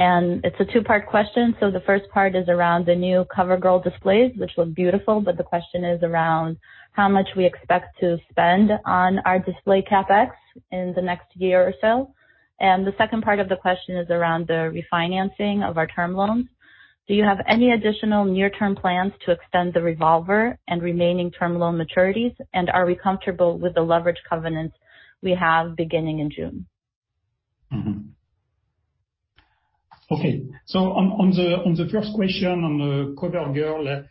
It's a two-part question. The first part is around the new COVERGIRL displays, which look beautiful, but the question is around how much we expect to spend on our display CapEx in the next year or so. The second part of the question is around the refinancing of our term loans. Do you have any additional near-term plans to extend the revolver and remaining term loan maturities? Are we comfortable with the leverage covenants we have beginning in June? Okay. On the first question on the COVERGIRL,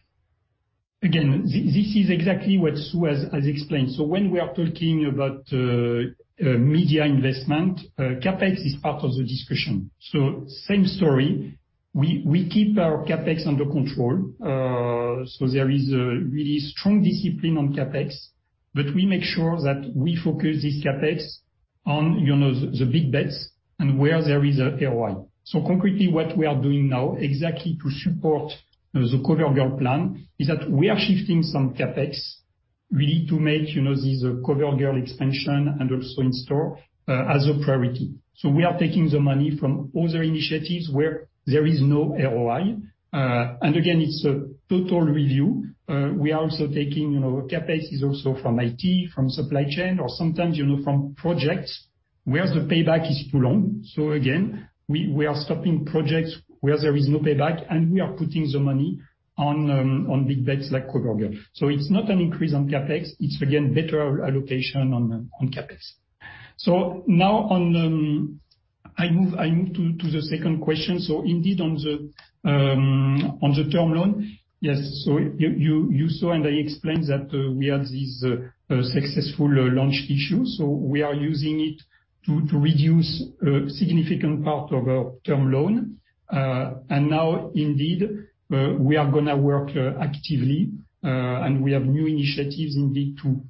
again, this is exactly what Sue has explained. When we are talking about media investment, CapEx is part of the discussion. Same story. We keep our CapEx under control. There is a really strong discipline on CapEx, but we make sure that we focus this CapEx on the big bets and where there is a ROI. Concretely, what we are doing now exactly to support the COVERGIRL plan is that we are shifting some CapEx really to make this COVERGIRL expansion and also in store, as a priority. We are taking the money from other initiatives where there is no ROI. Again, it's a total review. CapEx is also from IT, from supply chain, or sometimes, from projects where the payback is too long. Again, we are stopping projects where there is no payback, and we are putting the money on big bets like COVERGIRL. It's not an increase on CapEx, it's again, better allocation on CapEx. Now I move to the second question. Indeed on the term loan. Yes, you saw and I explained that we had these successful launch issues. We are using it to reduce a significant part of our term loan. Now indeed, we are going to work actively, and we have new initiatives indeed to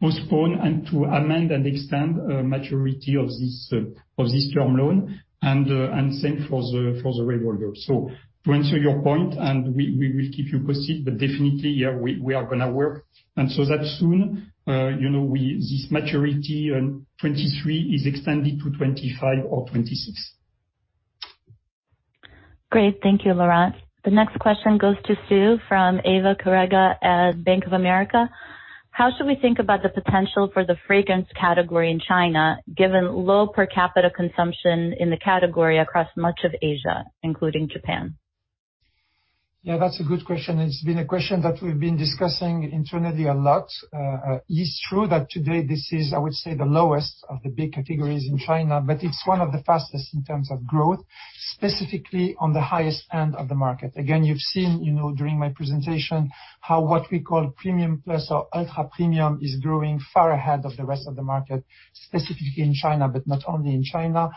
postpone and to amend and extend maturity of this term loan and same for the revolver. To answer your point, we will keep you posted, but definitely, yeah, we are going to work and so that soon, this maturity on 2023 is extended to 2025 or 2026. Great. Thank you, Laurent. The next question goes to Sue from Eva Quijano at Bank of America. How should we think about the potential for the fragrance category in China, given low per capita consumption in the category across much of Asia, including Japan? Yeah, that's a good question. It's been a question that we've been discussing internally a lot. It's true that today this is, I would say, the lowest of the big categories in China, but it's one of the fastest in terms of growth, specifically on the highest end of the market. Again, you've seen during my presentation how what we call premium plus or ultra premium is growing far ahead of the rest of the market, specifically in China, but not only in China.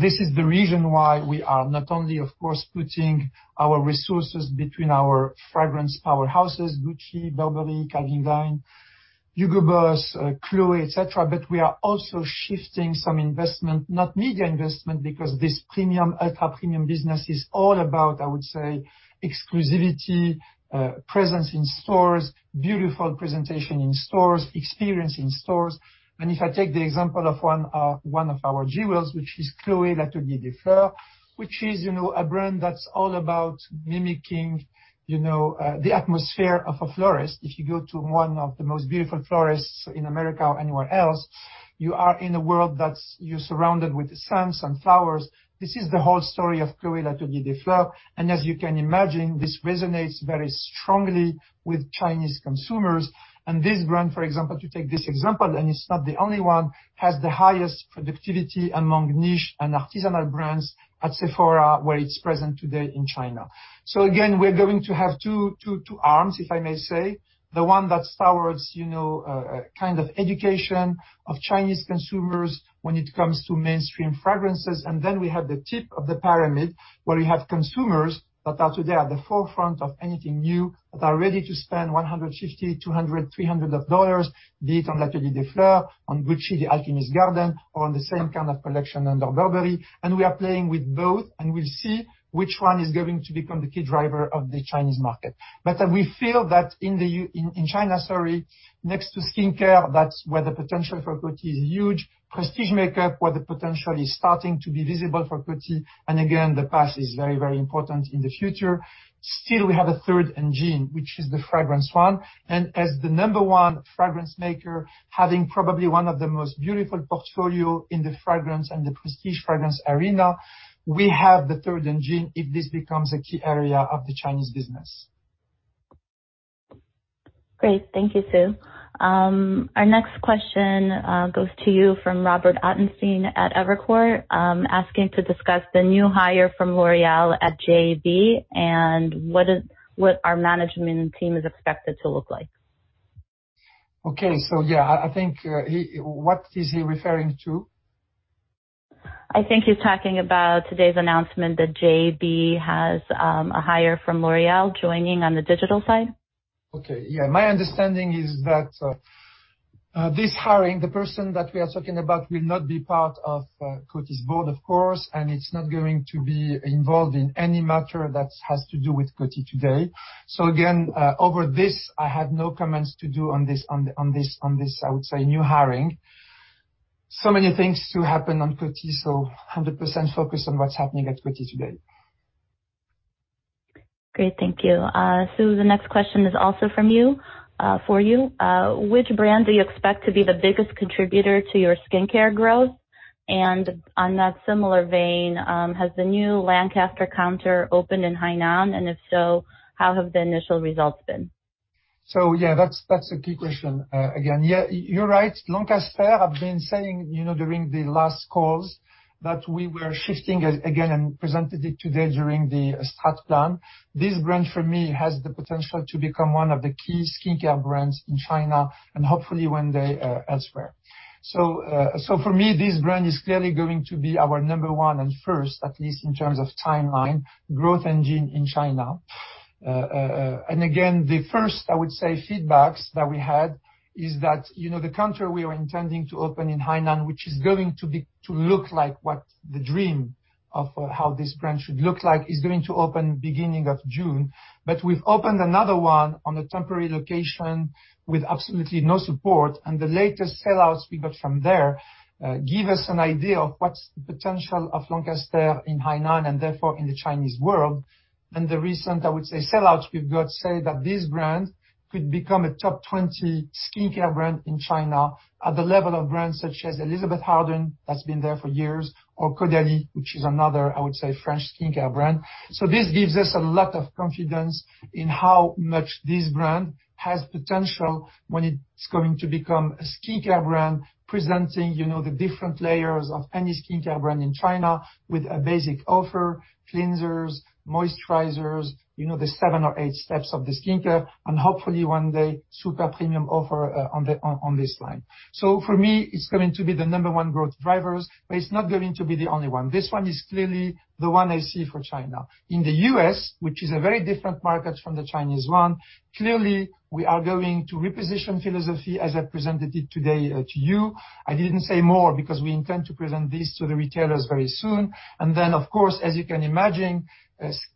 This is the reason why we are not only, of course, putting our resources between our fragrance powerhouses, Gucci, Burberry, Calvin Klein, Hugo Boss, Chloé, et cetera, but we are also shifting some investment, not media investment, because this premium, ultra premium business is all about, I would say, exclusivity, presence in stores, beautiful presentation in stores, experience in stores. If I take the example of one of our jewels, which is Chloé Atelier des Fleurs, which is a brand that's all about mimicking the atmosphere of a florist. If you go to one of the most beautiful florists in America or anywhere else, you are in a world that's surrounded with scents and flowers. This is the whole story of Chloé Atelier des Fleurs. As you can imagine, this resonates very strongly with Chinese consumers. This brand, for example, to take this example, and it's not the only one, has the highest productivity among niche and artisanal brands at Sephora, where it's present today in China. Again, we're going to have two arms, if I may say. The one that's towards, kind of education of Chinese consumers when it comes to mainstream fragrances. We have the tip of the pyramid, where we have consumers that are today at the forefront of anything new, that are ready to spend $150, $200, $300, be it on L'Atelier des Fleurs, on Gucci, The Alchemist's Garden, or on the same kind of collection under Burberry. We are playing with both, and we'll see which one is going to become the key driver of the Chinese market. We feel that in China, next to skincare, that's where the potential for Coty is huge. Prestige makeup, where the potential is starting to be visible for Coty, and again, the path is very, very important in the future. Still, we have a third engine, which is the fragrance one, and as the number one fragrance maker, having probably one of the most beautiful portfolio in the fragrance and the prestige fragrance arena, we have the third engine if this becomes a key area of the Chinese business. Great. Thank you, Sue. Our next question goes to you from Robert Ottenstein at Evercore, asking to discuss the new hire from L'Oréal at JAB and what our management team is expected to look like. Okay. yeah, I think what is he referring to? I think he's talking about today's announcement that JAB has a hire from L'Oréal joining on the digital side. Okay. Yeah. My understanding is that this hiring, the person that we are talking about, will not be part of Coty's board, of course, and it's not going to be involved in any matter that has to do with Coty today. Again, over this, I have no comments to do on this, I would say, new hiring. Many things to happen on Coty, so 100% focused on what's happening at Coty today. Great. Thank you. Sue, the next question is also for you. Which brand do you expect to be the biggest contributor to your skincare growth? On that similar vein, has the new Lancaster counter opened in Hainan? If so, how have the initial results been? Yeah, that's a key question. Yeah, you're right. Lancaster, I've been saying, during the last calls that we were shifting again and presented it today during the strat plan. This brand, for me, has the potential to become one of the key skincare brands in China and hopefully one day elsewhere. For me, this brand is clearly going to be our number one and first, at least in terms of timeline, growth engine in China. Again, the first, I would say, feedbacks that we had is that the country we are intending to open in Hainan, which is going to look like what the dream of how this brand should look like, is going to open beginning of June. We've opened another one on a temporary location with absolutely no support, and the latest sell-outs we got from there, give us an idea of what's the potential of Lancaster in Hainan and therefore in the Chinese world. The recent, I would say, sell-outs we've got say that this brand could become a top 20 skincare brand in China at the level of brands such as Elizabeth Arden, that's been there for years, or Caudalie, which is another, I would say, French skincare brand. This gives us a lot of confidence in how much this brand has potential when it's going to become a skincare brand presenting the different layers of any skincare brand in China with a basic offer, cleansers, moisturizers, the seven or eight steps of the skincare, and hopefully one day, super premium offer on this line. For me, it's going to be the number one growth drivers, but it's not going to be the only one. This one is clearly the one I see for China. In the U.S., which is a very different market from the Chinese one, clearly, we are going to reposition Philosophy as I presented it today to you. I didn't say more because we intend to present this to the retailers very soon. Then, of course, as you can imagine,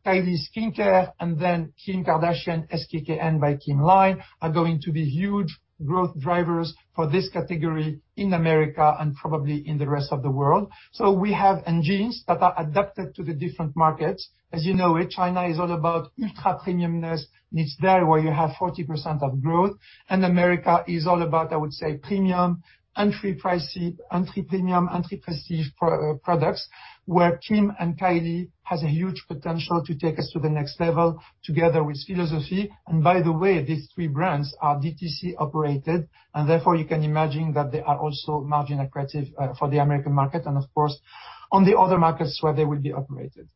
Kylie Skin and then Kim Kardashian, SKKN BY KIM line are going to be huge growth drivers for this category in America and probably in the rest of the world. We have engines that are adapted to the different markets. As you know it, China is all about ultra-premiumness, and it's there where you have 40% of growth. America is all about, I would say, premium, entry price, entry premium, entry price products, where Kim and Kylie has a huge potential to take us to the next level together with Philosophy. By the way, these three brands are DTC operated, and therefore you can imagine that they are also margin accretive for the American market and of course, on the other markets where they will be operated.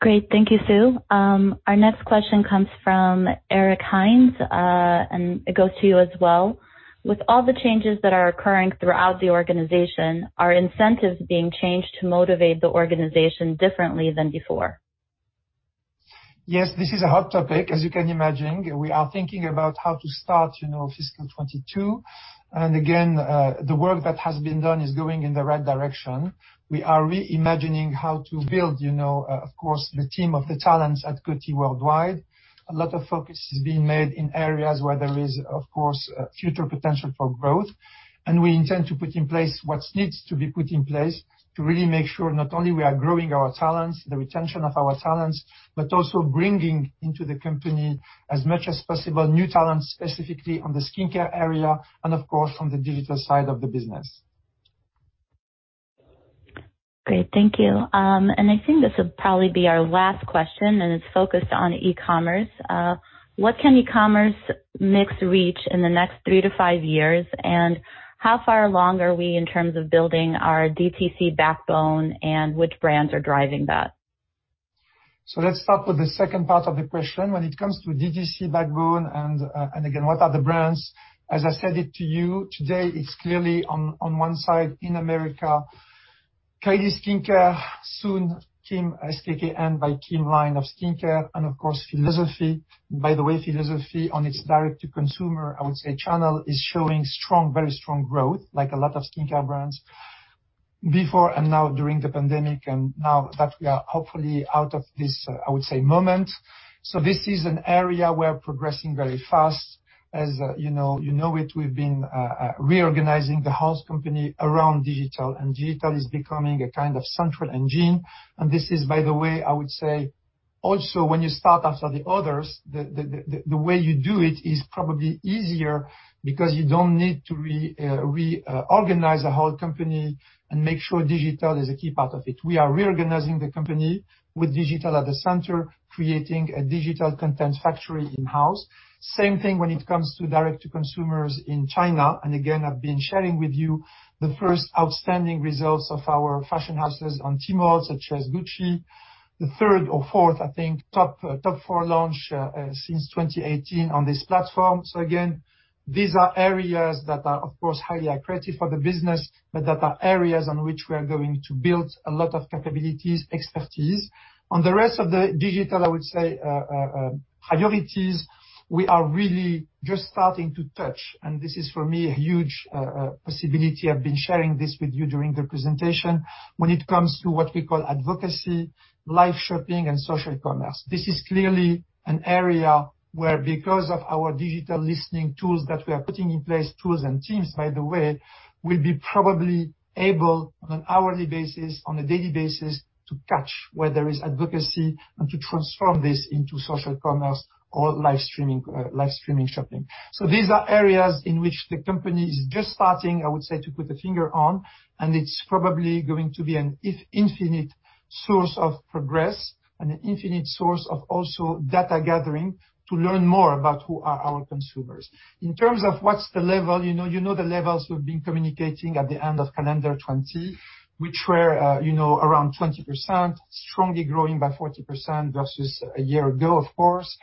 Great. Thank you, Sue. Our next question comes from Eric Hines, and it goes to you as well. With all the changes that are occurring throughout the organization, are incentives being changed to motivate the organization differently than before? Yes. This is a hot topic, as you can imagine. We are thinking about how to start fiscal 2022. Again, the work that has been done is going in the right direction. We are reimagining how to build, of course, the team of the talents at Coty worldwide. A lot of focus is being made in areas where there is, of course, future potential for growth. We intend to put in place what needs to be put in place to really make sure not only we are growing our talents, the retention of our talents, but also bringing into the company as much as possible, new talents, specifically on the skincare area and of course, on the digital side of the business. Great. Thank you. I think this will probably be our last question, and it's focused on e-commerce. What can e-commerce mix reach in the next three to five years, and how far along are we in terms of building our DTC backbone, and which brands are driving that? Let's start with the second part of the question. When it comes to DTC backbone and again, what are the brands, as I said it to you today, it's clearly on one side in America, Kylie Skin, soon SKKN BY KIM line of skincare, and of course, Philosophy. By the way, Philosophy on its direct to consumer, I would say, channel is showing very strong growth, like a lot of skincare brands before and now during the pandemic, and now that we are hopefully out of this, I would say, moment. This is an area we're progressing very fast. As you know it, we've been reorganizing the house company around digital, and digital is becoming a kind of central engine. This is, by the way, I would say, also when you start after the others, the way you do it is probably easier because you don't need to reorganize the whole company. And make sure digital is a key part of it. We are reorganizing the company with digital at the center, creating a digital content factory in-house. Same thing when it comes to direct to consumers in China. Again, I've been sharing with you the first outstanding results of our fashion houses on Tmall, such as Gucci, the third or fourth, I think, top four launch since 2018 on this platform. Again, these are areas that are, of course, highly accretive for the business, but that are areas on which we are going to build a lot of capabilities, expertise. The rest of the digital, I would say, priorities, we are really just starting to touch. This is for me, a huge possibility. I've been sharing this with you during the presentation. When it comes to what we call advocacy, live shopping, and social commerce. This is clearly an area where because of our digital listening tools that we are putting in place, tools and teams by the way, we'll be probably able on an hourly basis, on a daily basis, to catch where there is advocacy and to transform this into social commerce or live streaming shopping. These are areas in which the company is just starting, I would say, to put a finger on, and it's probably going to be an infinite source of progress and an infinite source of also data gathering to learn more about who are our consumers. In terms of what's the level, you know the levels we've been communicating at the end of calendar 2020, which were around 20%, strongly growing by 40% versus a year ago, of course.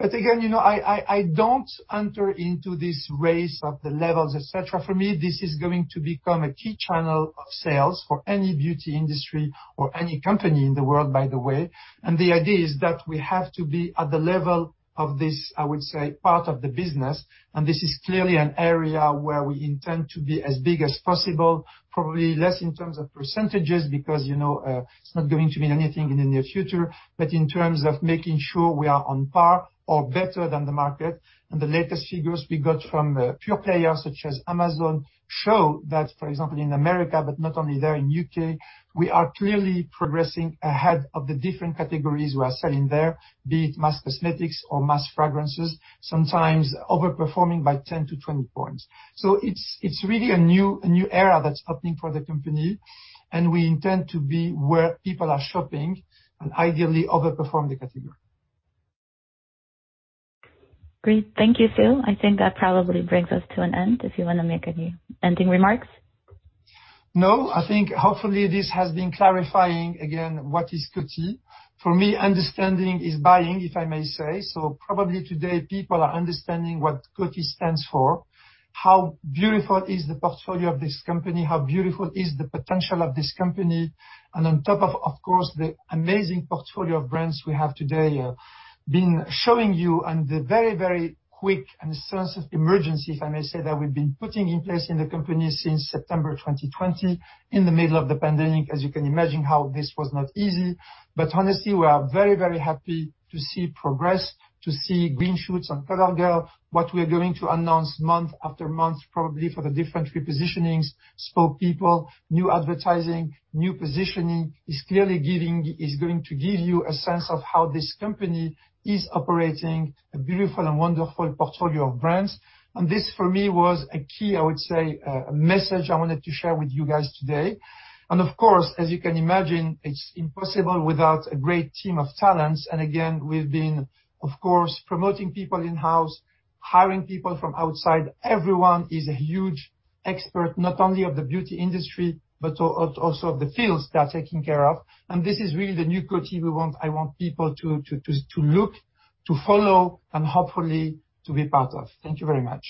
Again, I don't enter into this race of the levels, et cetera. For me, this is going to become a key channel of sales for any beauty industry or any company in the world, by the way. The idea is that we have to be at the level of this, I would say, part of the business, and this is clearly an area where we intend to be as big as possible, probably less in terms of percentages because it's not going to mean anything in the near future, but in terms of making sure we are on par or better than the market. The latest figures we got from pure players such as Amazon show that, for example, in America, but not only there, in U.K., we are clearly progressing ahead of the different categories we are selling there, be it mass cosmetics or mass fragrances, sometimes overperforming by 10-20 points. It's really a new era that's opening for the company, and we intend to be where people are shopping and ideally overperform the category. Great. Thank you, Sue. I think that probably brings us to an end, if you want to make any ending remarks. I think hopefully this has been clarifying again what is Coty. For me, understanding is buying, if I may say, probably today, people are understanding what Coty stands for, how beautiful is the portfolio of this company, how beautiful is the potential of this company, and on top of course, the amazing portfolio of brands we have today, been showing you on the very, very quick and sense of emergency, if I may say, that we've been putting in place in the company since September 2020 in the middle of the pandemic. As you can imagine how this was not easy. Honestly, we are very, very happy to see progress, to see green shoots on COVERGIRL. What we are going to announce month after month, probably for the different repositionings, spokespeople, new advertising, new positioning is going to give you a sense of how this company is operating a beautiful and wonderful portfolio of brands. This, for me, was a key, I would say, a message I wanted to share with you guys today. Of course, as you can imagine, it's impossible without a great team of talents. Again, we've been, of course, promoting people in-house, hiring people from outside. Everyone is a huge expert, not only of the beauty industry, but also of the fields they are taking care of. This is really the new Coty we want, I want people to look, to follow, and hopefully to be part of. Thank you very much.